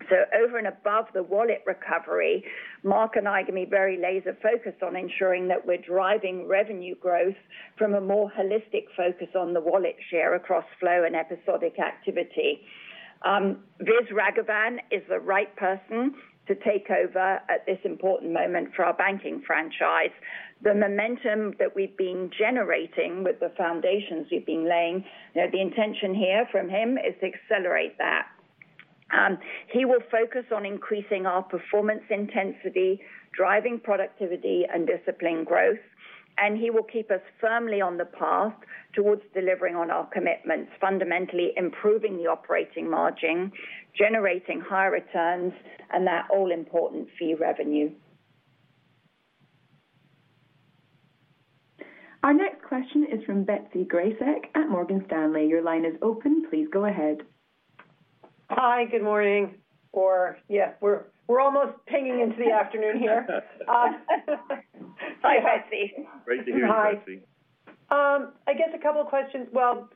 So over and above the wallet recovery, Mark and I are going to be very laser focused on ensuring that we're driving revenue growth from a more holistic focus on the wallet share across flow and episodic activity. Viswas Raghavan is the right person to take over at this important moment for our banking franchise. The momentum that we've been generating with the foundations we've been laying, you know, the intention here from him is to accelerate that. He will focus on increasing our performance intensity, driving productivity, and discipline growth, and he will keep us firmly on the path towards delivering on our commitments, fundamentally improving the operating margin, generating higher returns, and that all important fee revenue. Our next question is from Betsy Graseck at Morgan Stanley. Your line is open. Please go ahead. Hi, good morning, or yeah, we're almost pinging into the afternoon here. Hi, Betsy. Great to hear you, Betsy. I guess a couple of questions. Well,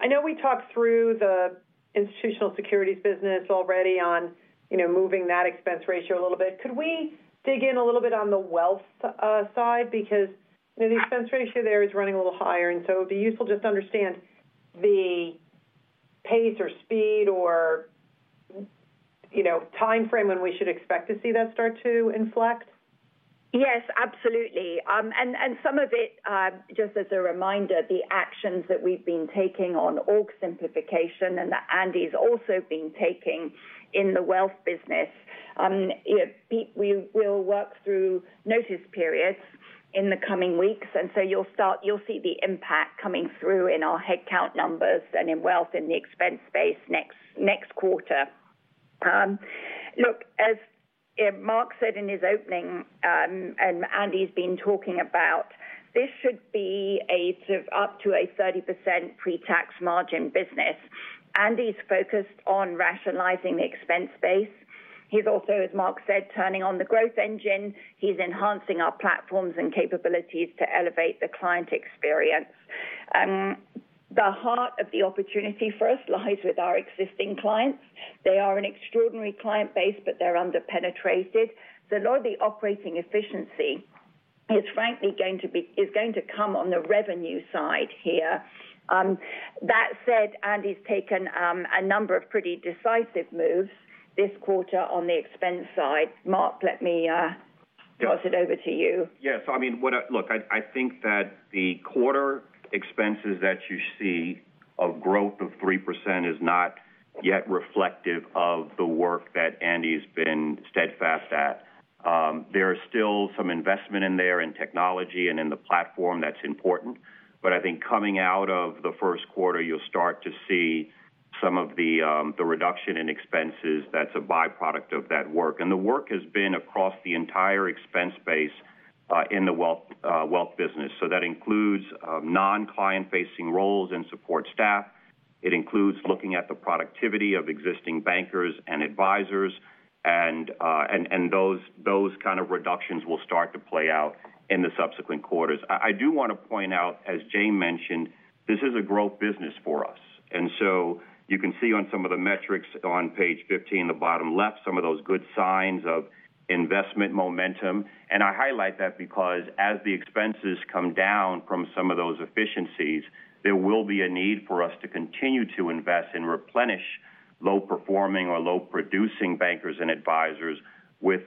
I know we talked through the institutional securities business already on, you know, moving that expense ratio a little bit. Could we dig in a little bit on the wealth side? Because, you know, the expense ratio there is running a little higher, and so it'd be useful just to understand the pace or speed or, you know, time frame when we should expect to see that start to inflect. Yes, absolutely. And some of it, just as a reminder, the actions that we've been taking on org simplification and that Andy's also been taking in the wealth business, it-- we, we'll work through notice periods in the coming weeks, and so you'll start- you'll see the impact coming through in our headcount numbers and in wealth in the expense space next quarter. Look, as Mark said in his opening, and Andy's been talking about, this should be a sort of up to a 30% pretax margin business. Andy's focused on rationalizing the expense base. He's also, as Mark said, turning on the growth engine. He's enhancing our platforms and capabilities to elevate the client experience. The heart of the opportunity for us lies with our existing clients. They are an extraordinary client base, but they're underpenetrated. So a lot of the operating efficiency is frankly going to come on the revenue side here. That said, Andy's taken a number of pretty decisive moves this quarter on the expense side. Mark, let me toss it over to you. Yes, I mean, Look, I think that the quarter expenses that you see, a growth of 3% is not yet reflective of the work that Andy's been steadfast at. There is still some investment in there in technology and in the platform. That's important. But I think coming out of the first quarter, you'll start to see some of the, the reduction in expenses that's a by-product of that work. And the work has been across the entire expense base, in the wealth, wealth business. So that includes, non-client-facing roles and support staff. It includes looking at the productivity of existing bankers and advisors, and, those, those kind of reductions will start to play out in the subsequent quarters. I do want to point out, as Jane mentioned, this is a growth business for us, and so you can see on some of the metrics on page 15, the bottom left, some of those good signs of investment momentum. I highlight that because as the expenses come down from some of those efficiencies, there will be a need for us to continue to invest and replenish low-performing or low-producing bankers and advisors with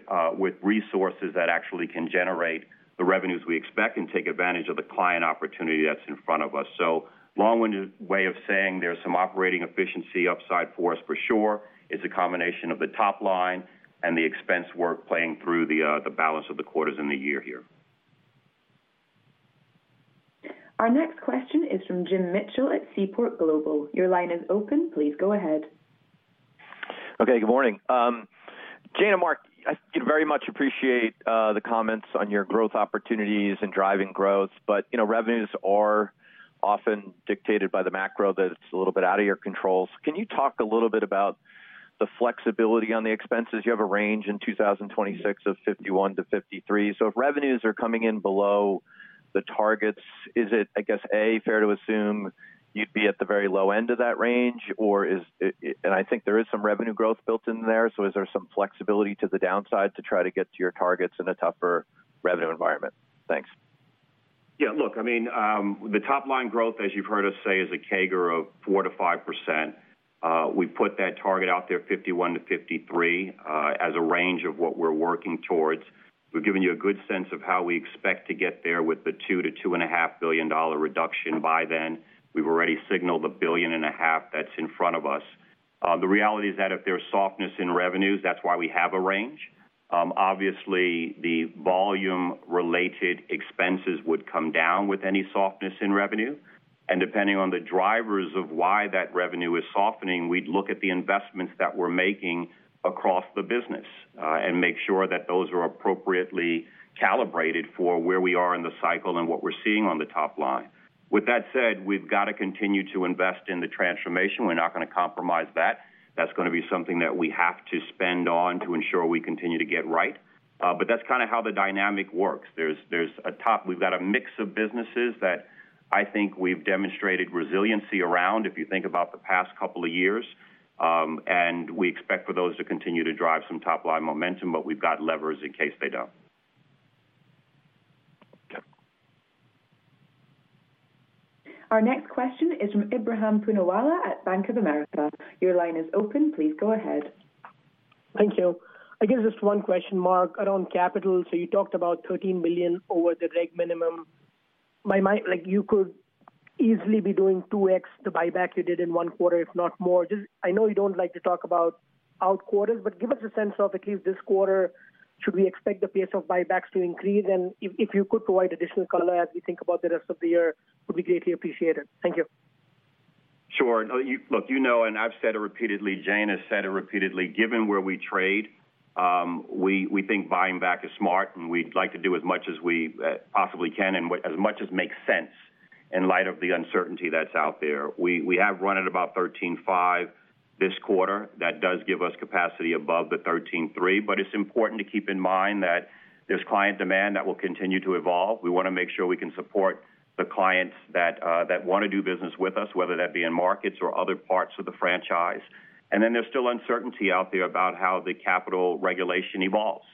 resources that actually can generate the revenues we expect, and take advantage of the client opportunity that's in front of us. So long-winded way of saying there's some operating efficiency upside for us for sure. It's a combination of the top line and the expense work playing through the balance of the quarters in the year here. Our next question is from Jim Mitchell at Seaport Global. Your line is open. Please go ahead. Okay, good morning. Jane and Mark, I very much appreciate the comments on your growth opportunities and driving growth, but, you know, revenues are often dictated by the macro that it's a little bit out of your control. Can you talk a little bit about the flexibility on the expenses? You have a range in 2026 of $51-$53. So if revenues are coming in below the targets, is it, I guess, A, fair to assume you'd be at the very low end of that range, or is it... And I think there is some revenue growth built in there, so is there some flexibility to the downside to try to get to your targets in a tougher revenue environment? Thanks. Yeah, look, I mean, the top line growth, as you've heard us say, is a CAGR of 4%-5%. We've put that target out there, 11%-13%, as a range of what we're working towards. We've given you a good sense of how we expect to get there with the $2 billion-$2.5 billion reduction by then. We've already signaled a $1.5 billion that's in front of us. The reality is that if there's softness in revenues, that's why we have a range. Obviously, the volume-related expenses would come down with any softness in revenue, and depending on the drivers of why that revenue is softening, we'd look at the investments that we're making across the business, and make sure that those are appropriately calibrated for where we are in the cycle and what we're seeing on the top line. With that said, we've got to continue to invest in the transformation. We're not going to compromise that. That's going to be something that we have to spend on to ensure we continue to get right. But that's kind of how the dynamic works. There's a mix of businesses that I think we've demonstrated resiliency around, if you think about the past couple of years. We expect for those to continue to drive some top-line momentum, but we've got levers in case they don't. Our next question is from Ebrahim Poonawala at Bank of America. Your line is open. Please go ahead. Thank you. I guess just one question, Mark, around capital. So you talked about $13 billion over the reg minimum. My—like, you could easily be doing 2x the buyback you did in one quarter, if not more. Just—I know you don't like to talk about future quarters, but give us a sense of at least this quarter. Should we expect the pace of buybacks to increase? And if you could provide additional color as we think about the rest of the year, it would be greatly appreciated. Thank you. Sure. No, you look, you know, and I've said it repeatedly, Jane has said it repeatedly, given where we trade, we think buying back is smart, and we'd like to do as much as we possibly can and as much as makes sense in light of the uncertainty that's out there. We have run at about 13.5% this quarter. That does give us capacity above the 13.3%. But it's important to keep in mind that there's client demand that will continue to evolve. We want to make sure we can support the clients that want to do business with us, whether that be in markets or other parts of the franchise. And then there's still uncertainty out there about how the capital regulation evolves.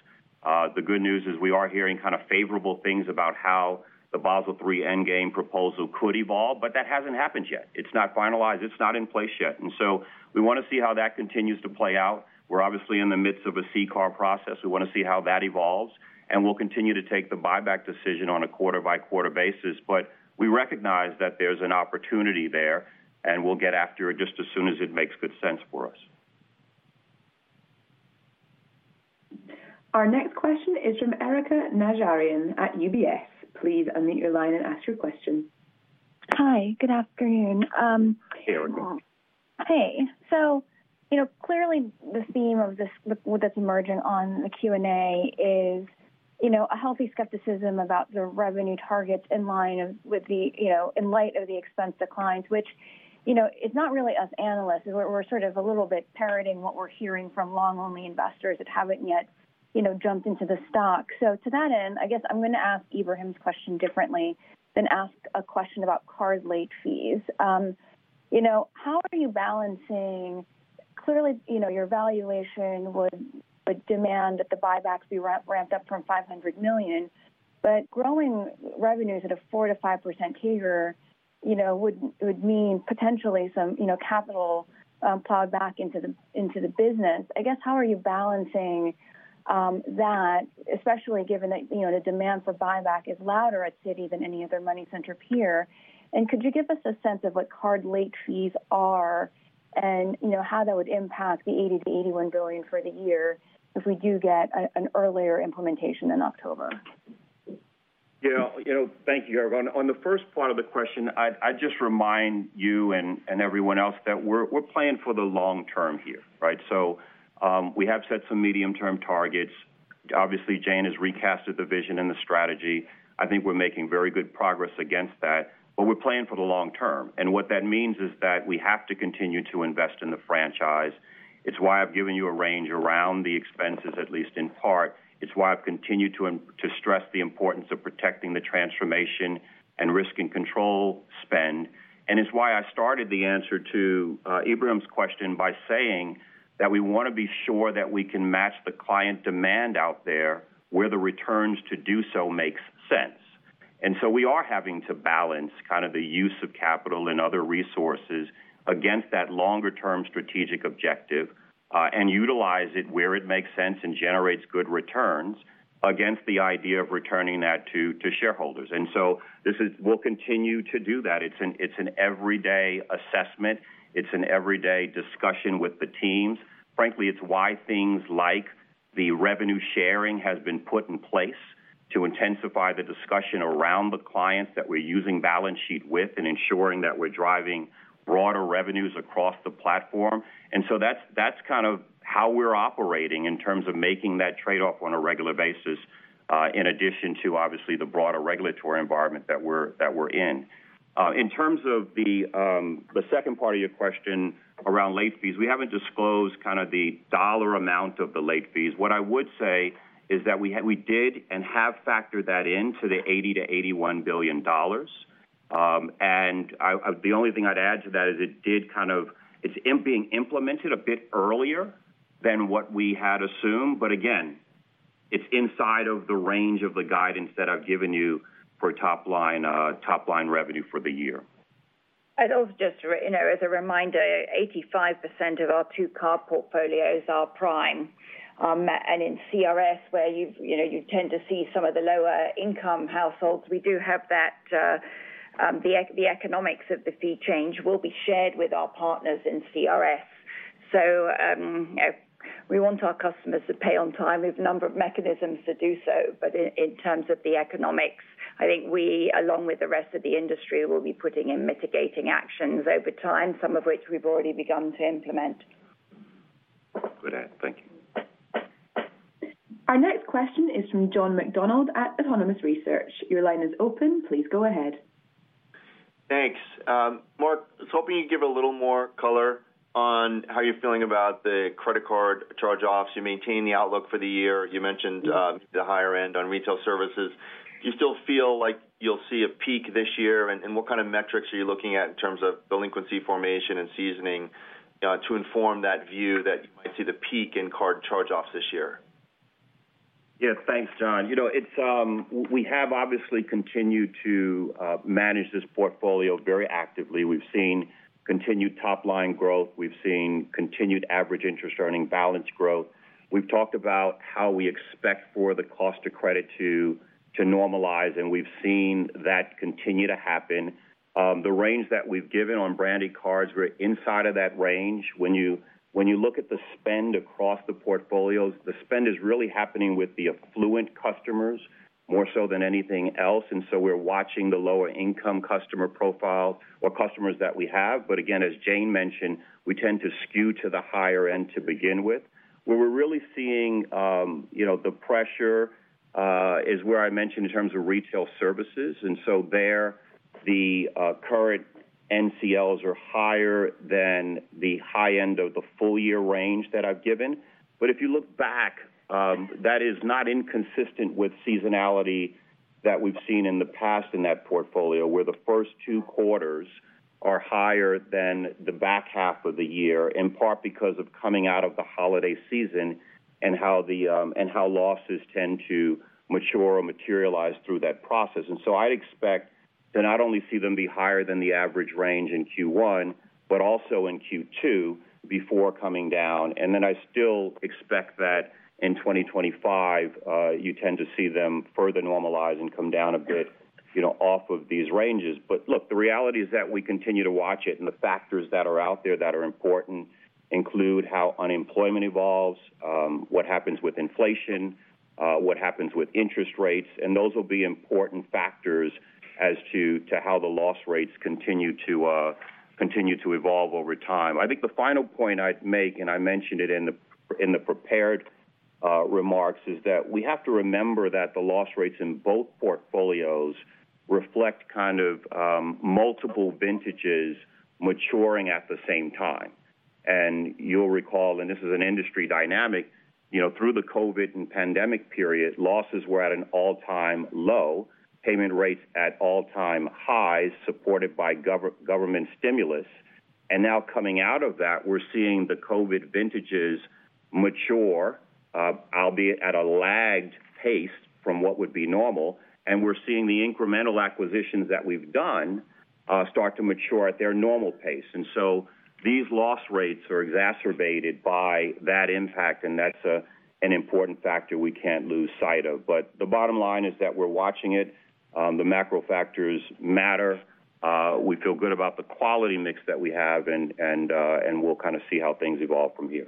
The good news is we are hearing kind of favorable things about how the Basel III endgame proposal could evolve, but that hasn't happened yet. It's not finalized, it's not in place yet, and so we want to see how that continues to play out. We're obviously in the midst of a CCAR process. We want to see how that evolves, and we'll continue to take the buyback decision on a quarter-by-quarter basis. But we recognize that there's an opportunity there, and we'll get after it just as soon as it makes good sense for us. Our next question is from Erika Najarian at UBS. Please unmute your line and ask your question. Hi, good afternoon. Hey, Erika. Hey. So, you know, clearly, the theme of this—with this emerging on the Q&A is, you know, a healthy skepticism about the revenue targets in light of the expense declines, which, you know, it's not really us analysts. We're sort of a little bit parroting what we're hearing from long-only investors that haven't yet, you know, jumped into the stock. So to that end, I guess I'm going to ask Ebrahim's question differently than ask a question about card late fees. You know, how are you balancing... Clearly, you know, your valuation would demand that the buybacks be ramped up from $500 million, but growing revenues at a 4%-5% CAGR, you know, would mean potentially some, you know, capital plowed back into the business. I guess, how are you balancing that, especially given that, you know, the demand for buyback is louder at Citi than any other money center peer? And could you give us a sense of what card late fees are and, you know, how that would impact the $80 billion-$81 billion for the year if we do get an earlier implementation in October? Yeah, you know, thank you, Erika. On the first part of the question, I'd just remind you and everyone else that we're playing for the long term here, right? So, we have set some medium-term targets. Obviously, Jane has recast the vision and the strategy. I think we're making very good progress against that, but we're playing for the long term. And what that means is that we have to continue to invest in the franchise. It's why I've given you a range around the expenses, at least in part. It's why I've continued to stress the importance of protecting the transformation and risk and control spend. And it's why I started the answer to Ebrahim's question by saying that we want to be sure that we can match the client demand out there, where the returns to do so makes sense. And so we are having to balance kind of the use of capital and other resources against that longer-term strategic objective, and utilize it where it makes sense and generates good returns against the idea of returning that to, to shareholders. And so this is—we'll continue to do that. It's an, it's an everyday assessment. It's an everyday discussion with the teams. Frankly, it's why things like the revenue sharing has been put in place to intensify the discussion around the clients that we're using balance sheet with and ensuring that we're driving broader revenues across the platform. And so that's, that's kind of how we're operating in terms of making that trade-off on a regular basis, in addition to, obviously, the broader regulatory environment that we're, that we're in. In terms of the second part of your question around late fees, we haven't disclosed kind of the dollar amount of the late fees. What I would say is that we did and have factored that in to the $80 billion-$81 billion. The only thing I'd add to that is it's being implemented a bit earlier than what we had assumed. But again, it's inside of the range of the guidance that I've given you for top line revenue for the year. I'd also just, you know, as a reminder, 85% of our branded card portfolios are prime. And in CRS, where you've, you know, you tend to see some of the lower-income households, we do have that, the economics of the fee change will be shared with our partners in CRS. So, we want our customers to pay on time. We have a number of mechanisms to do so, but in terms of the economics, I think we, along with the rest of the industry, will be putting in mitigating actions over time, some of which we've already begun to implement. Good add. Thank you. Our next question is from John McDonald at Autonomous Research. Your line is open. Please go ahead. Thanks, Mark, I was hoping you'd give a little more color on how you're feeling about the credit card charge-offs. You maintained the outlook for the year. You mentioned the higher end on retail services. Do you still feel like you'll see a peak this year? And what kind of metrics are you looking at in terms of delinquency formation and seasoning, to inform that view that you might see the peak in card charge-offs this year? Yeah. Thanks, John. You know, it's we have obviously continued to manage this portfolio very actively. We've seen continued top-line growth. We've seen continued average interest earning balance growth. We've talked about how we expect for the cost of credit to normalize, and we've seen that continue to happen. The range that we've given on branded cards, we're inside of that range. When you look at the spend across the portfolios, the spend is really happening with the affluent customers more so than anything else, and so we're watching the lower-income customer profile or customers that we have. But again, as Jane mentioned, we tend to skew to the higher end to begin with. Where we're really seeing, you know, the pressure is where I mentioned in terms of retail services. The current NCLs are higher than the high end of the full year range that I've given. But if you look back, that is not inconsistent with seasonality that we've seen in the past in that portfolio, where the first two quarters are higher than the back half of the year, in part because of coming out of the holiday season and how the, and how losses tend to mature or materialize through that process. And so I'd expect to not only see them be higher than the average range in Q1, but also in Q2 before coming down. And then I still expect that in 2025, you tend to see them further normalize and come down a bit, you know, off of these ranges. But look, the reality is that we continue to watch it, and the factors that are out there that are important include how unemployment evolves, what happens with inflation, what happens with interest rates, and those will be important factors as to how the loss rates continue to evolve over time. I think the final point I'd make, and I mentioned it in the prepared remarks, is that we have to remember that the loss rates in both portfolios reflect kind of multiple vintages maturing at the same time. And you'll recall, and this is an industry dynamic, you know, through the COVID and pandemic period, losses were at an all-time low, payment rates at all-time highs, supported by government stimulus. And now coming out of that, we're seeing the COVID vintages mature, albeit at a lagged pace from what would be normal, and we're seeing the incremental acquisitions that we've done, start to mature at their normal pace. And so these loss rates are exacerbated by that impact, and that's an important factor we can't lose sight of. But the bottom line is that we're watching it. The macro factors matter. We feel good about the quality mix that we have, and we'll kind of see how things evolve from here.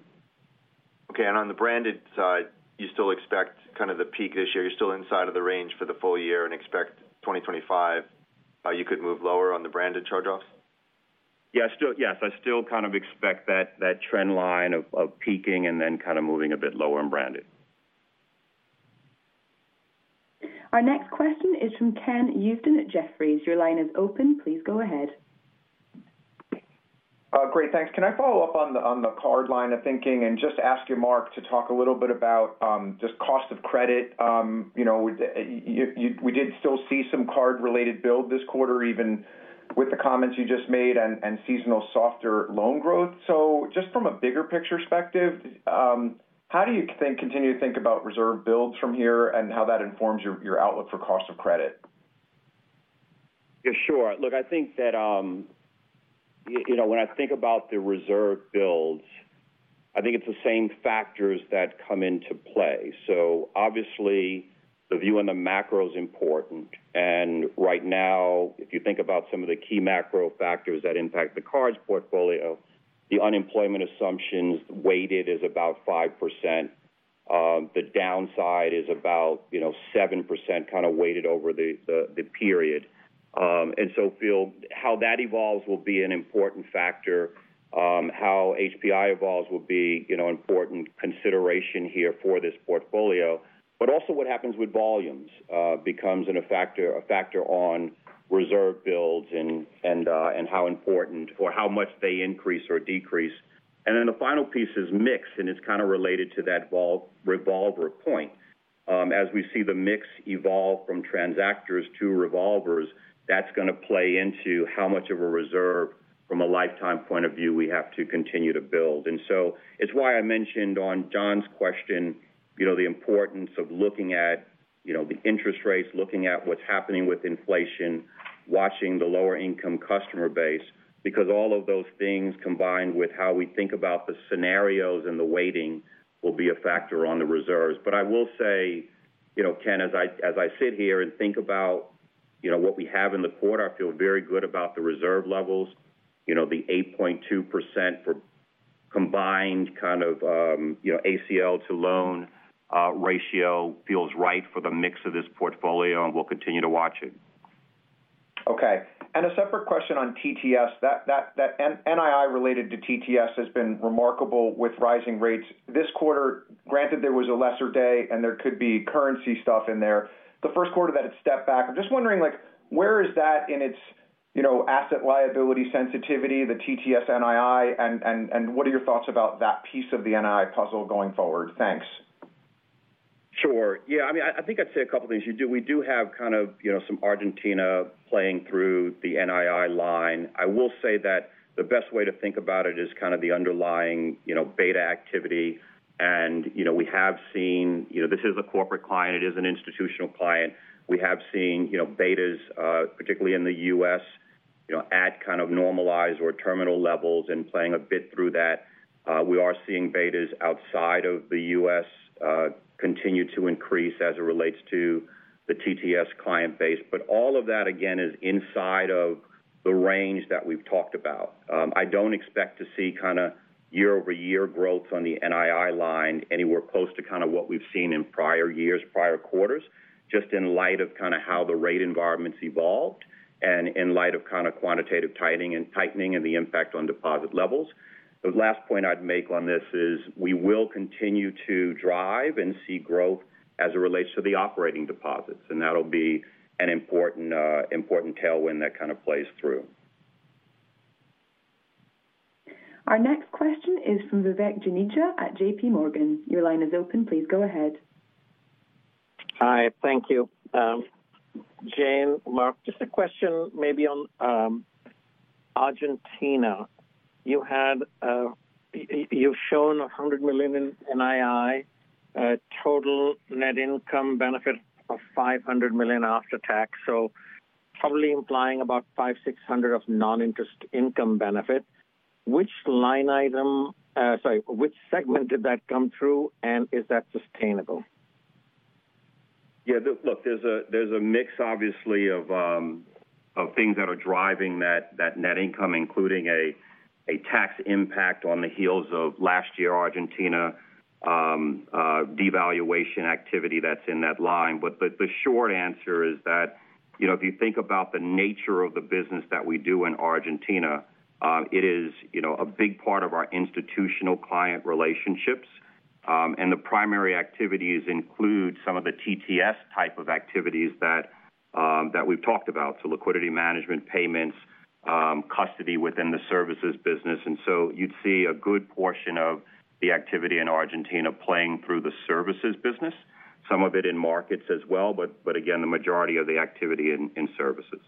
Okay. And on the branded side, you still expect kind of the peak this year. You're still inside of the range for the full year and expect 2025, you could move lower on the branded charge-offs? Yeah, yes, I still kind of expect that, that trend line of peaking and then kind of moving a bit lower in branded. Our next question is from Ken Usdin at Jefferies. Your line is open. Please go ahead. Great, thanks. Can I follow up on the card line of thinking and just ask you, Mark, to talk a little bit about just cost of credit? You know, we did still see some card-related build this quarter, even with the comments you just made and seasonal softer loan growth. So just from a bigger picture perspective, how do you think, continue to think about reserve builds from here and how that informs your outlook for cost of credit? Yeah, sure. Look, I think that, you know, when I think about the reserve builds, I think it's the same factors that come into play. So obviously, the view on the macro is important, and right now, if you think about some of the key macro factors that impact the cards portfolio, the unemployment assumptions weighted is about 5%. The downside is about, you know, 7% kind of weighted over the period. And so, feel how that evolves will be an important factor. How HPI evolves will be, you know, important consideration here for this portfolio. But also what happens with volumes becomes a factor on reserve builds and how much they increase or decrease. And then the final piece is mix, and it's kind of related to that revolver point. As we see the mix evolve from transactors to revolvers, that's going to play into how much of a reserve from a lifetime point of view we have to continue to build. And so it's why I mentioned on John's question, you know, the importance of looking at, you know, the interest rates, looking at what's happening with inflation, watching the lower income customer base, because all of those things, combined with how we think about the scenarios and the weighting, will be a factor on the reserves. But I will say, you know, Ken, as I sit here and think about, you know, what we have in the quarter, I feel very good about the reserve levels. You know, the 8.2% for combined kind of, you know, ACL-to-loan ratio feels right for the mix of this portfolio, and we'll continue to watch it. Okay. And a separate question on TTS. That NII related to TTS has been remarkable with rising rates. This quarter, granted, there was a leap day, and there could be currency stuff in there. The first quarter that it stepped back, I'm just wondering, like, where is that in its, you know, asset liability sensitivity, the TTS NII? And what are your thoughts about that piece of the NII puzzle going forward? Thanks. Sure. Yeah, I mean, I think I'd say a couple things. We do have kind of, you know, some Argentina playing through the NII line. I will say that the best way to think about it is kind of the underlying, you know, beta activity. And, you know, we have seen, you know, this is a corporate client, it is an institutional client. We have seen, you know, betas, particularly in the U.S., you know, at kind of normalized or terminal levels and playing a bit through that. We are seeing betas outside of the U.S., continue to increase as it relates to the TTS client base. But all of that, again, is inside of the range that we've talked about. I don't expect to see kind of year-over-year growth on the NII line anywhere close to kind of what we've seen in prior years, prior quarters, just in light of kind of how the rate environment's evolved and in light of kind of quantitative tightening and tightening and the impact on deposit levels. The last point I'd make on this is we will continue to drive and see growth as it relates to the operating deposits, and that'll be an important, important tailwind that kind of plays through. Our next question is from Vivek Juneja at JPMorgan. Your line is open. Please go ahead. Hi, thank you. Jane, Mark, just a question maybe on,... Argentina, you had, you've shown $100 million in NII, total net income benefit of $500 million after tax. So probably implying about $500 million-$600 million of non-interest income benefit. Which line item, sorry, which segment did that come through, and is that sustainable? Yeah, look, there's a mix, obviously, of things that are driving that net income, including a tax impact on the heels of last year, Argentina devaluation activity that's in that line. But the short answer is that, you know, if you think about the nature of the business that we do in Argentina, it is, you know, a big part of our institutional client relationships, and the primary activities include some of the TTS type of activities that we've talked about, so liquidity management, payments, custody within the services business. And so you'd see a good portion of the activity in Argentina playing through the services business, some of it in markets as well, but again, the majority of the activity in services.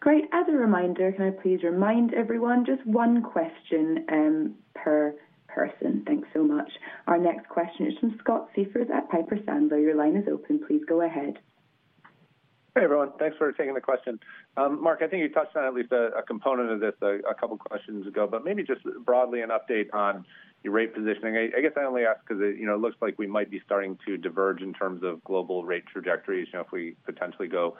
Great. As a reminder, can I please remind everyone, just one question per person. Thanks so much. Our next question is from Scott Siefers at Piper Sandler. Your line is open. Please go ahead. Hey, everyone. Thanks for taking the question. Mark, I think you touched on at least a component of this a couple questions ago, but maybe just broadly an update on your rate positioning. I guess I only ask because it, you know, looks like we might be starting to diverge in terms of global rate trajectories, you know, if we potentially go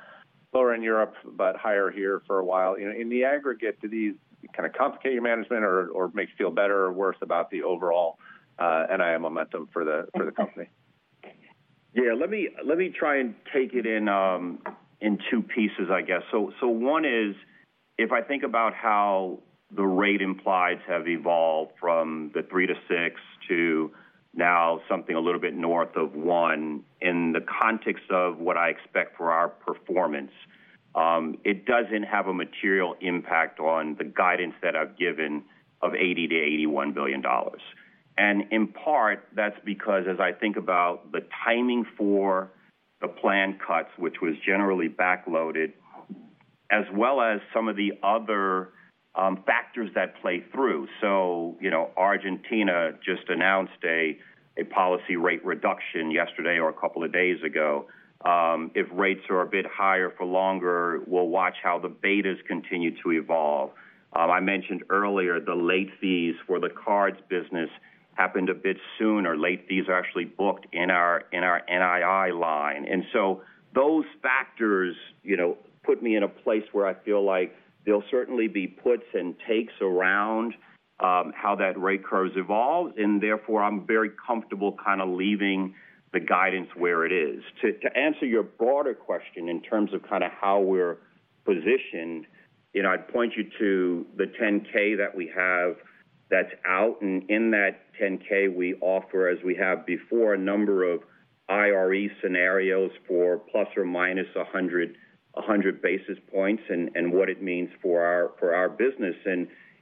lower in Europe, but higher here for a while. You know, in the aggregate, do these kind of complicate your management or make you feel better or worse about the overall NII momentum for the company? Yeah, let me, let me try and take it in, in two pieces, I guess. So, so one is, if I think about how the rate implies have evolved from the three to six to now something a little bit north of one, in the context of what I expect for our performance, it doesn't have a material impact on the guidance that I've given of $80 billion-$81 billion. And in part, that's because as I think about the timing for the planned cuts, which was generally backloaded, as well as some of the other, factors that play through. So, you know, Argentina just announced a policy rate reduction yesterday or a couple of days ago. If rates are a bit higher for longer, we'll watch how the betas continue to evolve. I mentioned earlier, the late fees for the cards business happened a bit sooner. Late fees are actually booked in our NII line. And so those factors, you know, put me in a place where I feel like there'll certainly be puts and takes around how that rate curve's evolved, and therefore, I'm very comfortable kind of leaving the guidance where it is. To answer your broader question in terms of kind of how we're positioned, you know, I'd point you to the 10-K that we have that's out, and in that 10-K, we offer, as we have before, a number of IRE scenarios for plus or minus 100 basis points and what it means for our business.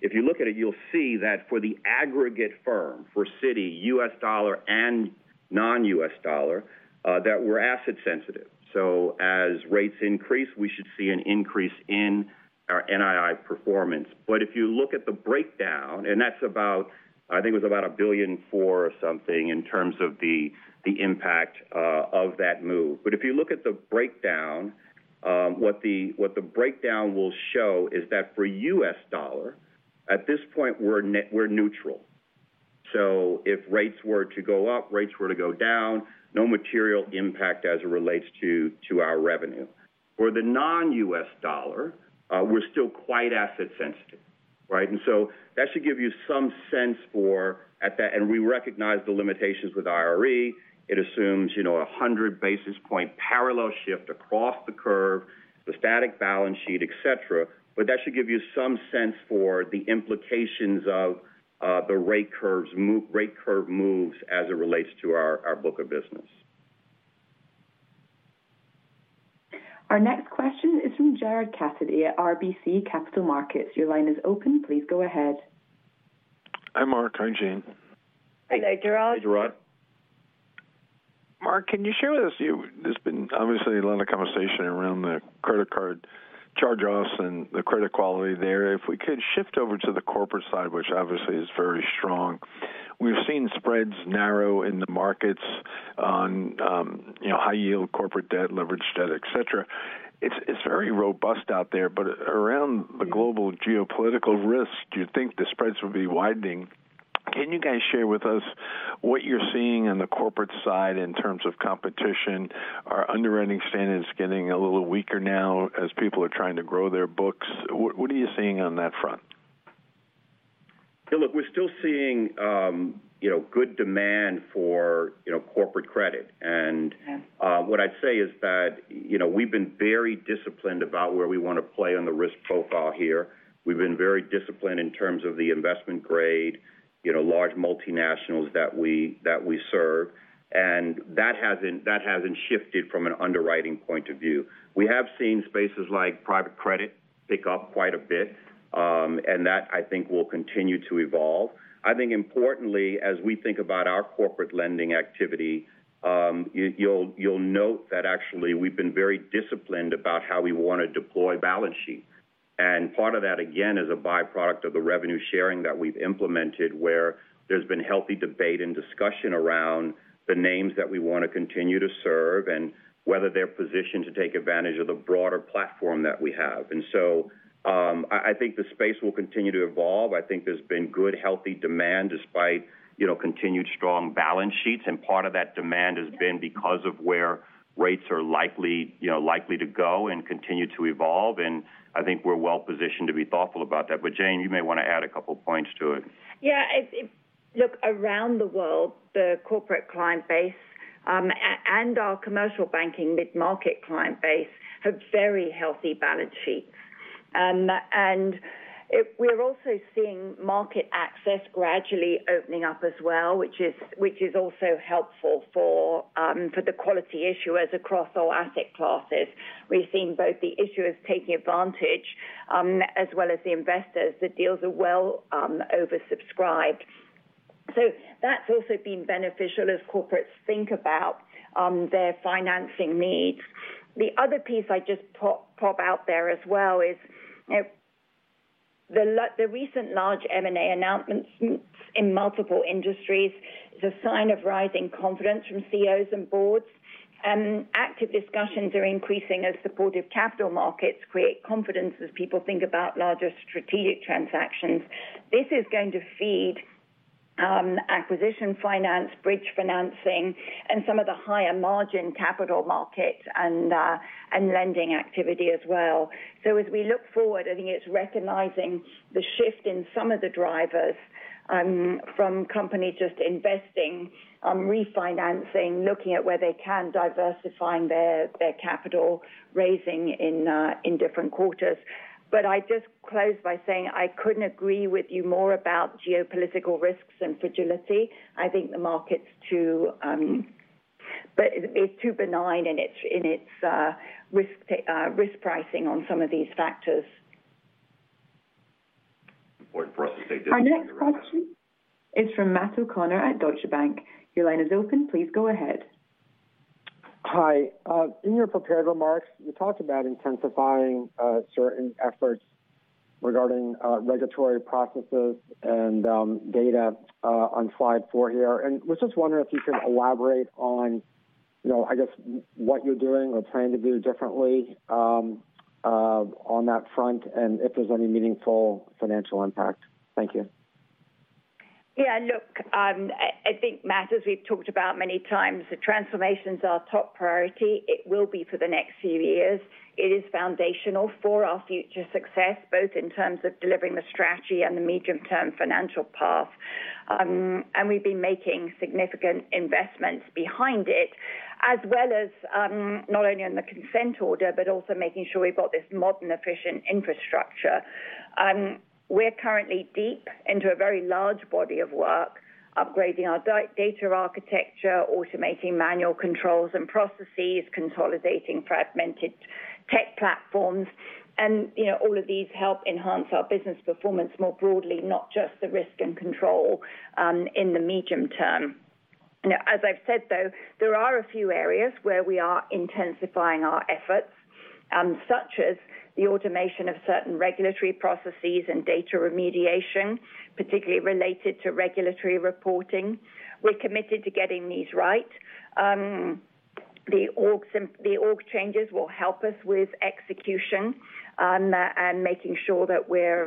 If you look at it, you'll see that for the aggregate firm, for Citi, US dollar and non-US dollar, that we're asset sensitive. So as rates increase, we should see an increase in our NII performance. But if you look at the breakdown, and that's about $1.4 billion or something in terms of the impact of that move. But if you look at the breakdown, what the breakdown will show is that for US dollar, at this point, we're neutral. So if rates were to go up, rates were to go down, no material impact as it relates to our revenue. For the non-US dollar, we're still quite asset sensitive, right? And so that should give you some sense for that and we recognize the limitations with IRE. It assumes, you know, a 100 basis point parallel shift across the curve, the static balance sheet, et cetera. But that should give you some sense for the implications of the rate curve moves as it relates to our book of business. Our next question is from Jared Cassidy at RBC Capital Markets. Your line is open. Please go ahead. Hi, Mark. Hi, Jane. Hi there, Jared. Hey, Jared. Mark, can you share with us? There's been obviously a lot of conversation around the credit card charge-offs and the credit quality there. If we could shift over to the corporate side, which obviously is very strong. We've seen spreads narrow in the markets on, you know, high yield corporate debt, leveraged debt, et cetera. It's very robust out there, but around the global geopolitical risk, do you think the spreads will be widening? Can you guys share with us what you're seeing on the corporate side in terms of competition? Are underwriting standards getting a little weaker now as people are trying to grow their books? What are you seeing on that front? Hey, look, we're still seeing, you know, good demand for, you know, corporate credit. Okay. What I'd say is that, you know, we've been very disciplined about where we want to play on the risk profile here. We've been very disciplined in terms of the investment grade, you know, large multinationals that we serve, and that hasn't shifted from an underwriting point of view. We have seen spaces like private credit pick up quite a bit, and that, I think, will continue to evolve. I think importantly, as we think about our Corporate Lending activity, you'll note that actually, we've been very disciplined about how we want to deploy balance sheet. and part of that, again, is a byproduct of the revenue sharing that we've implemented, where there's been healthy debate and discussion around the names that we want to continue to serve and whether they're positioned to take advantage of the broader platform that we have. And so, I think the space will continue to evolve. I think there's been good, healthy demand despite, you know, continued strong balance sheets, and part of that demand has been because of where rates are likely, you know, likely to go and continue to evolve, and I think we're well positioned to be thoughtful about that. But Jane, you may want to add a couple points to it. Yeah, look, around the world, the corporate client base and our commercial banking mid-market client base have very healthy balance sheets. And we're also seeing market access gradually opening up as well, which is also helpful for the quality issuers across all asset classes. We've seen both the issuers taking advantage as well as the investors. The deals are well oversubscribed. So that's also been beneficial as corporates think about their financing needs. The other piece I'd just pop out there as well is, you know, the recent large M&A announcements in multiple industries is a sign of rising confidence from CEOs and boards. Active discussions are increasing as supportive capital markets create confidence as people think about larger strategic transactions. This is going to feed acquisition finance, bridge financing, and some of the higher margin capital markets and lending activity as well. So as we look forward, I think it's recognizing the shift in some of the drivers from companies just investing on refinancing, looking at where they can, diversifying their capital raising in different quarters. But I'd just close by saying I couldn't agree with you more about geopolitical risks and fragility. I think the market's too but it's too benign in its risk pricing on some of these factors. Important for us to stay disciplined. Our next question is from Matt O'Connor at Deutsche Bank. Your line is open. Please go ahead. Hi. In your prepared remarks, you talked about intensifying certain efforts regarding regulatory processes and data on slide four here. I was just wondering if you could elaborate on, you know, I guess what you're doing or planning to do differently on that front, and if there's any meaningful financial impact. Thank you. Yeah, look, I think, Matt, as we've talked about many times, the transformation's our top priority. It will be for the next few years. It is foundational for our future success, both in terms of delivering the strategy and the medium-term financial path. We've been making significant investments behind it, as well as not only on the consent order, but also making sure we've got this modern, efficient infrastructure. We're currently deep into a very large body of work, upgrading our data architecture, automating manual controls and processes, consolidating fragmented tech platforms, and, you know, all of these help enhance our business performance more broadly, not just the risk and control, in the medium term. Now, as I've said, though, there are a few areas where we are intensifying our efforts, such as the automation of certain regulatory processes and data remediation, particularly related to regulatory reporting. We're committed to getting these right. The org changes will help us with execution, and making sure that we're,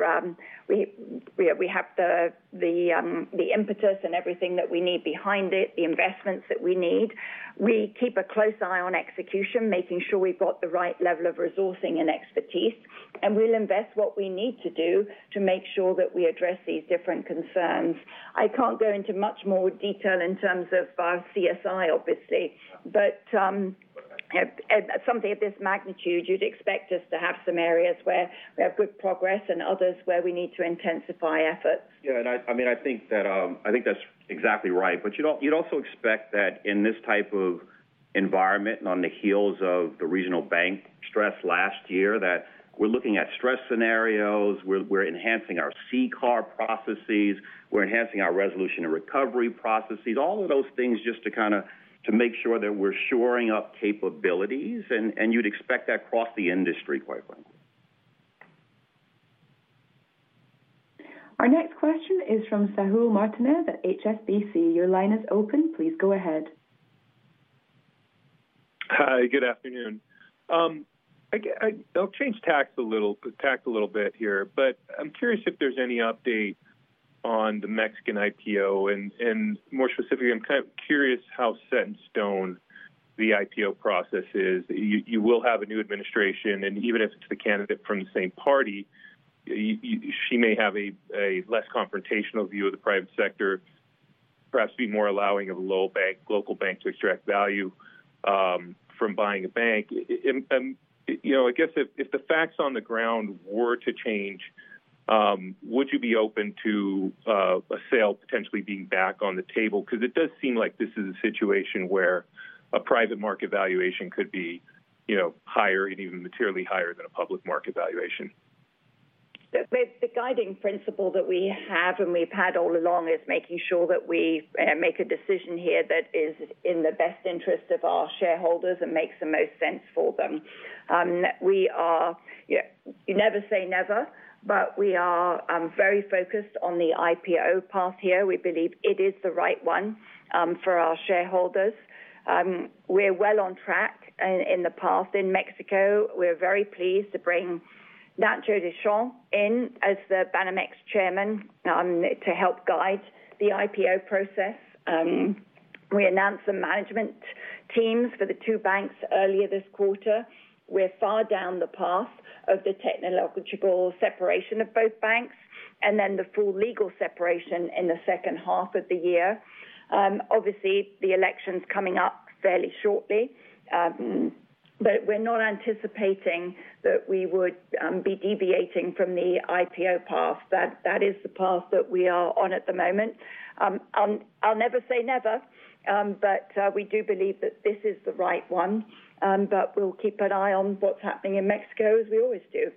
we have the impetus and everything that we need behind it, the investments that we need. We keep a close eye on execution, making sure we've got the right level of resourcing and expertise, and we'll invest what we need to do to make sure that we address these different concerns. I can't go into much more detail in terms of our CSI, obviously, but something of this magnitude, you'd expect us to have some areas where we have good progress and others where we need to intensify efforts. Yeah, and I mean, I think that I think that's exactly right. But you'd also expect that in this type of environment, on the heels of the regional bank stress last year, that we're looking at stress scenarios, we're enhancing our CCAR processes, we're enhancing our resolution and recovery processes, all of those things just to kind of to make sure that we're shoring up capabilities, and you'd expect that across the industry quite widely. Our next question is from Saul Martinez at HSBC. Your line is open. Please go ahead. Hi, good afternoon. I'll change tacks a little, tack a little bit here, but I'm curious if there's any update on the Mexican IPO, and more specifically, I'm kind of curious how set in stone the IPO process is. You will have a new administration, and even if it's the candidate from the same party, she may have a less confrontational view of the private sector, perhaps be more allowing of low bank, local bank to extract value from buying a bank. You know, I guess if the facts on the ground were to change, would you be open to a sale potentially being back on the table? Because it does seem like this is a situation where a private market valuation could be, you know, higher and even materially higher than a public market valuation.... The guiding principle that we have, and we've had all along, is making sure that we make a decision here that is in the best interest of our shareholders and makes the most sense for them. Yeah, you never say never, but we are very focused on the IPO path here. We believe it is the right one for our shareholders. We're well on track on the path in Mexico. We're very pleased to bring Ignacio Deschamps in as the Banamex chairman to help guide the IPO process. We announced the management teams for the two banks earlier this quarter. We're far down the path of the technological separation of both banks, and then the full legal separation in the second half of the year. Obviously, the election's coming up fairly shortly, but we're not anticipating that we would be deviating from the IPO path. That is the path that we are on at the moment. I'll never say never, but we do believe that this is the right one, but we'll keep an eye on what's happening in Mexico, as we always do.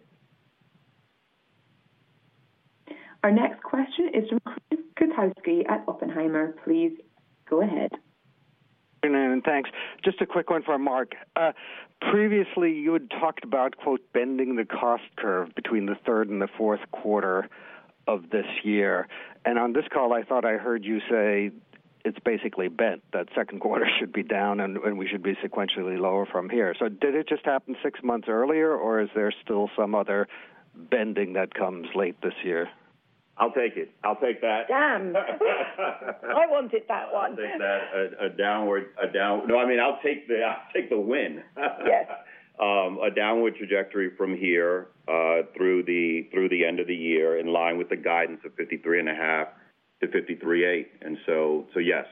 Our next question is from Chris Kotowski at Oppenheimer. Please go ahead. Good afternoon, and thanks. Just a quick one for Mark. Previously, you had talked about, quote, "bending the cost curve between the third and the fourth quarter of this year." On this call, I thought I heard you say it's basically bent, that second quarter should be down, and we should be sequentially lower from here. So did it just happen six months earlier, or is there still some other bending that comes late this year? I'll take it. I'll take that. Damn! I wanted that one. I'll take that. No, I mean, I'll take the win. Yes. A downward trajectory from here through the end of the year, in line with the guidance of 53.5-53.8, and so yes.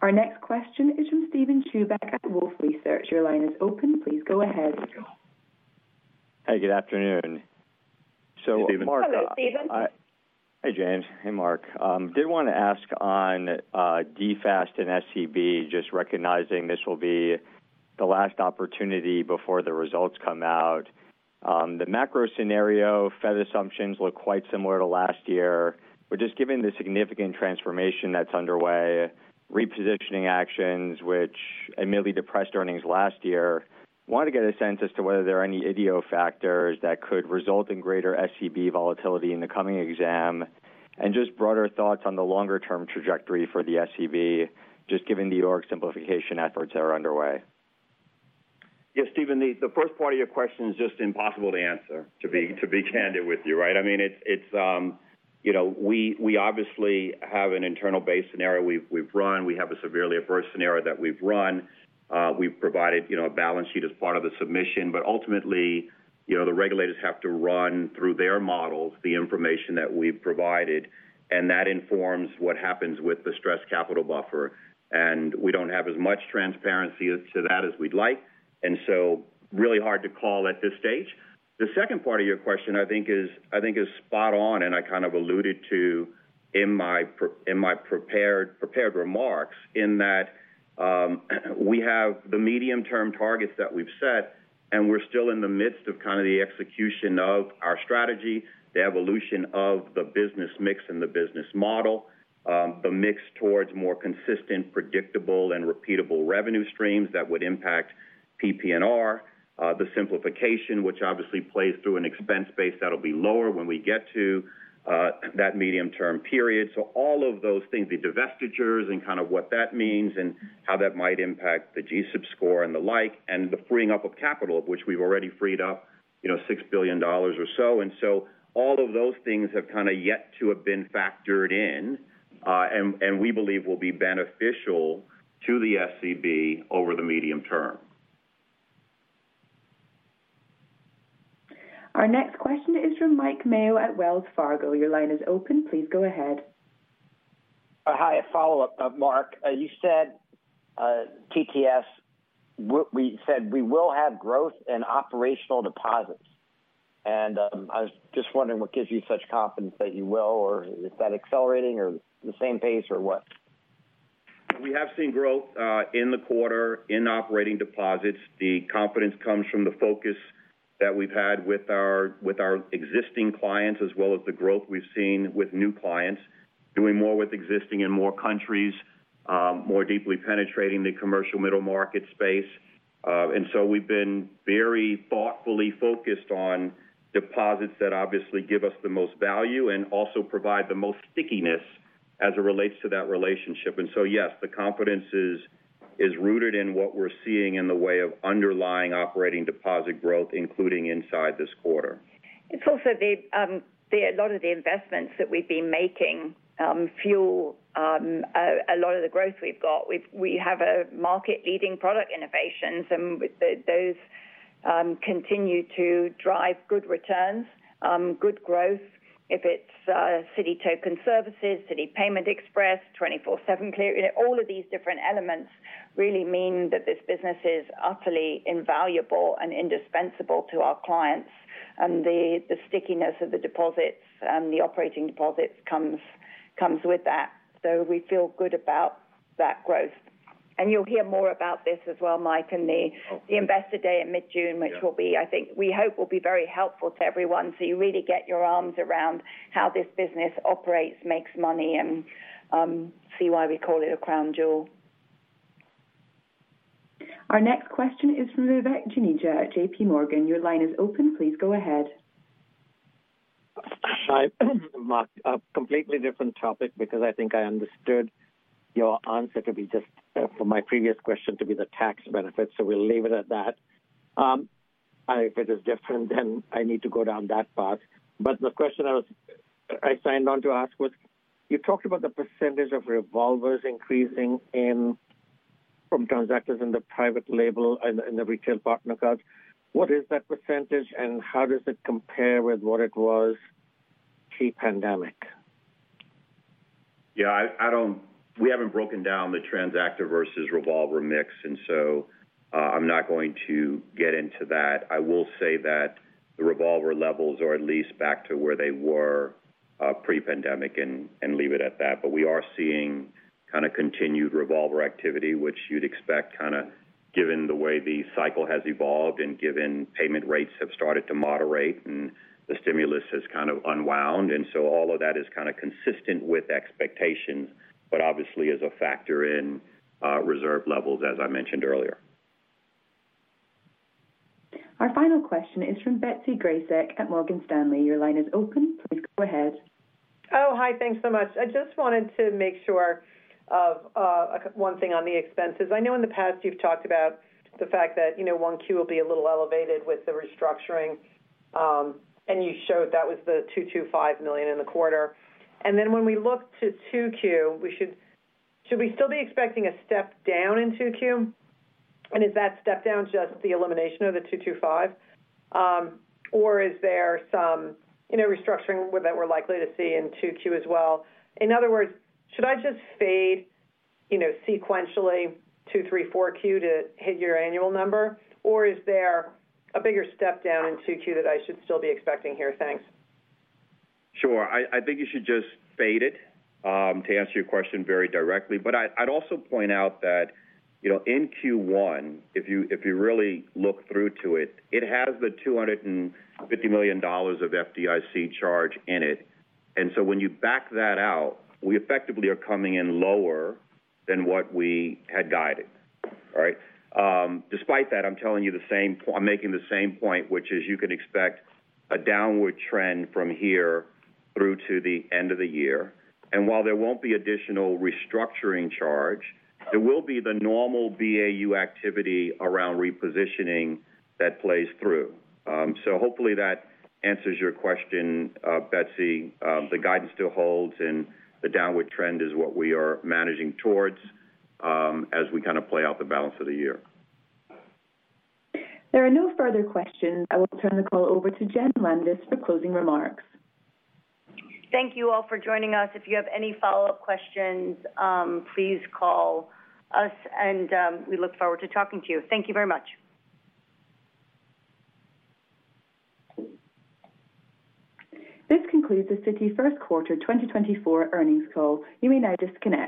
Our next question is from Steven Chubak at Wolfe Research. Your line is open. Please go ahead. Hey, good afternoon. Hey, Steven. Hello, Steven. Hi, Jane. Hey, Mark. Did wanna ask on, DFAST and SCB, just recognizing this will be the last opportunity before the results come out. The macro scenario, Fed assumptions look quite similar to last year. But just given the significant transformation that's underway, repositioning actions which admittedly depressed earnings last year, wanted to get a sense as to whether there are any idio factors that could result in greater SCB volatility in the coming exam, and just broader thoughts on the longer term trajectory for the SCB, just given the org simplification efforts that are underway. Yeah, Steven, the first part of your question is just impossible to answer, to be candid with you, right? I mean, it's you know, we obviously have an internal base scenario we've run. We have a severely adverse scenario that we've run. We've provided you know, a balance sheet as part of the submission, but ultimately you know, the regulators have to run through their models, the information that we've provided, and that informs what happens with the stress capital buffer. And we don't have as much transparency to that as we'd like, and so really hard to call at this stage. The second part of your question, I think is, I think is spot on, and I kind of alluded to in my prepared remarks, in that, we have the medium-term targets that we've set, and we're still in the midst of kind of the execution of our strategy, the evolution of the business mix and the business model, the mix towards more consistent, predictable, and repeatable revenue streams that would impact PPNR, the simplification, which obviously plays through an expense base that'll be lower when we get to, that medium-term period. So all of those things, the divestitures and kind of what that means and how that might impact the GSIB score and the like, and the freeing up of capital, of which we've already freed up, you know, $6 billion or so. And so all of those things have kind of yet to have been factored in, and we believe will be beneficial to the SCB over the medium term. Our next question is from Mike Mayo at Wells Fargo. Your line is open. Please go ahead. Hi, a follow-up, Mark. You said, TTS, we said, "We will have growth in operational deposits," and I was just wondering what gives you such confidence that you will, or is that accelerating or the same pace, or what? We have seen growth in the quarter, in operating deposits. The confidence comes from the focus that we've had with our existing clients, as well as the growth we've seen with new clients, doing more with existing in more countries, more deeply penetrating the commercial middle market space. And so we've been very thoughtfully focused on deposits that obviously give us the most value and also provide the most stickiness as it relates to that relationship. And so, yes, the confidence is rooted in what we're seeing in the way of underlying operating deposit growth, including inside this quarter. It's also a lot of the investments that we've been making fuel a lot of the growth we've got. We have market-leading product innovations, and with those continue to drive good returns, good growth. If it's Citi Token Services, Citi Payment Express, 24/7 Clearing, all of these different elements really mean that this business is utterly invaluable and indispensable to our clients... and the stickiness of the deposits and the operating deposits comes with that. So we feel good about that growth. And you'll hear more about this as well, Mike, in the- Oh. The Investor Day in mid-June. Yeah. which will be, I think, we hope will be very helpful to everyone, so you really get your arms around how this business operates, makes money, and see why we call it a crown jewel. Our next question is from Vivek Juneja at JPMorgan. Your line is open. Please go ahead. Hi, Mark. A completely different topic because I think I understood your answer to be just, from my previous question to be the tax benefit, so we'll leave it at that. If it is different, then I need to go down that path. But the question I signed on to ask was, you talked about the percentage of revolvers increasing in, from transactors in the private label and in the retail partner cards. What is that percentage, and how does it compare with what it was pre-pandemic? Yeah, I don't... We haven't broken down the transactor versus revolver mix, and so, I'm not going to get into that. I will say that the revolver levels are at least back to where they were, pre-pandemic and leave it at that. But we are seeing kind of continued revolver activity, which you'd expect kind of given the way the cycle has evolved and given payment rates have started to moderate, and the stimulus has kind of unwound. And so all of that is kind of consistent with expectations, but obviously as a factor in, reserve levels, as I mentioned earlier. Our final question is from Betsy Graseck at Morgan Stanley. Your line is open. Please go ahead. Oh, hi. Thanks so much. I just wanted to make sure of one thing on the expenses. I know in the past you've talked about the fact that, you know, 1Q will be a little elevated with the restructuring, and you showed that was the $225 million in the quarter. And then when we look to 2Q, should we still be expecting a step down in 2Q? And is that step down just the elimination of the $225 million? Or is there some, you know, restructuring that we're likely to see in 2Q as well? In other words, should I just fade, you know, sequentially, 2Q, 3Q, 4Q to hit your annual number, or is there a bigger step down in 2Q that I should still be expecting here? Thanks. Sure. I think you should just fade it to answer your question very directly. But I'd also point out that, you know, in Q1, if you really look through to it, it has the $250 million of FDIC charge in it. And so when you back that out, we effectively are coming in lower than what we had guided. All right? Despite that, I'm making the same point, which is you can expect a downward trend from here through to the end of the year. And while there won't be additional restructuring charge, there will be the normal BAU activity around repositioning that plays through. So hopefully that answers your question, Betsy. The guidance still holds, and the downward trend is what we are managing towards, as we kind of play out the balance of the year. There are no further questions. I will turn the call over to Jen Landis for closing remarks. Thank you all for joining us. If you have any follow-up questions, please call us, and we look forward to talking to you. Thank you very much. This concludes the Citi first quarter 2024 earnings call. You may now disconnect.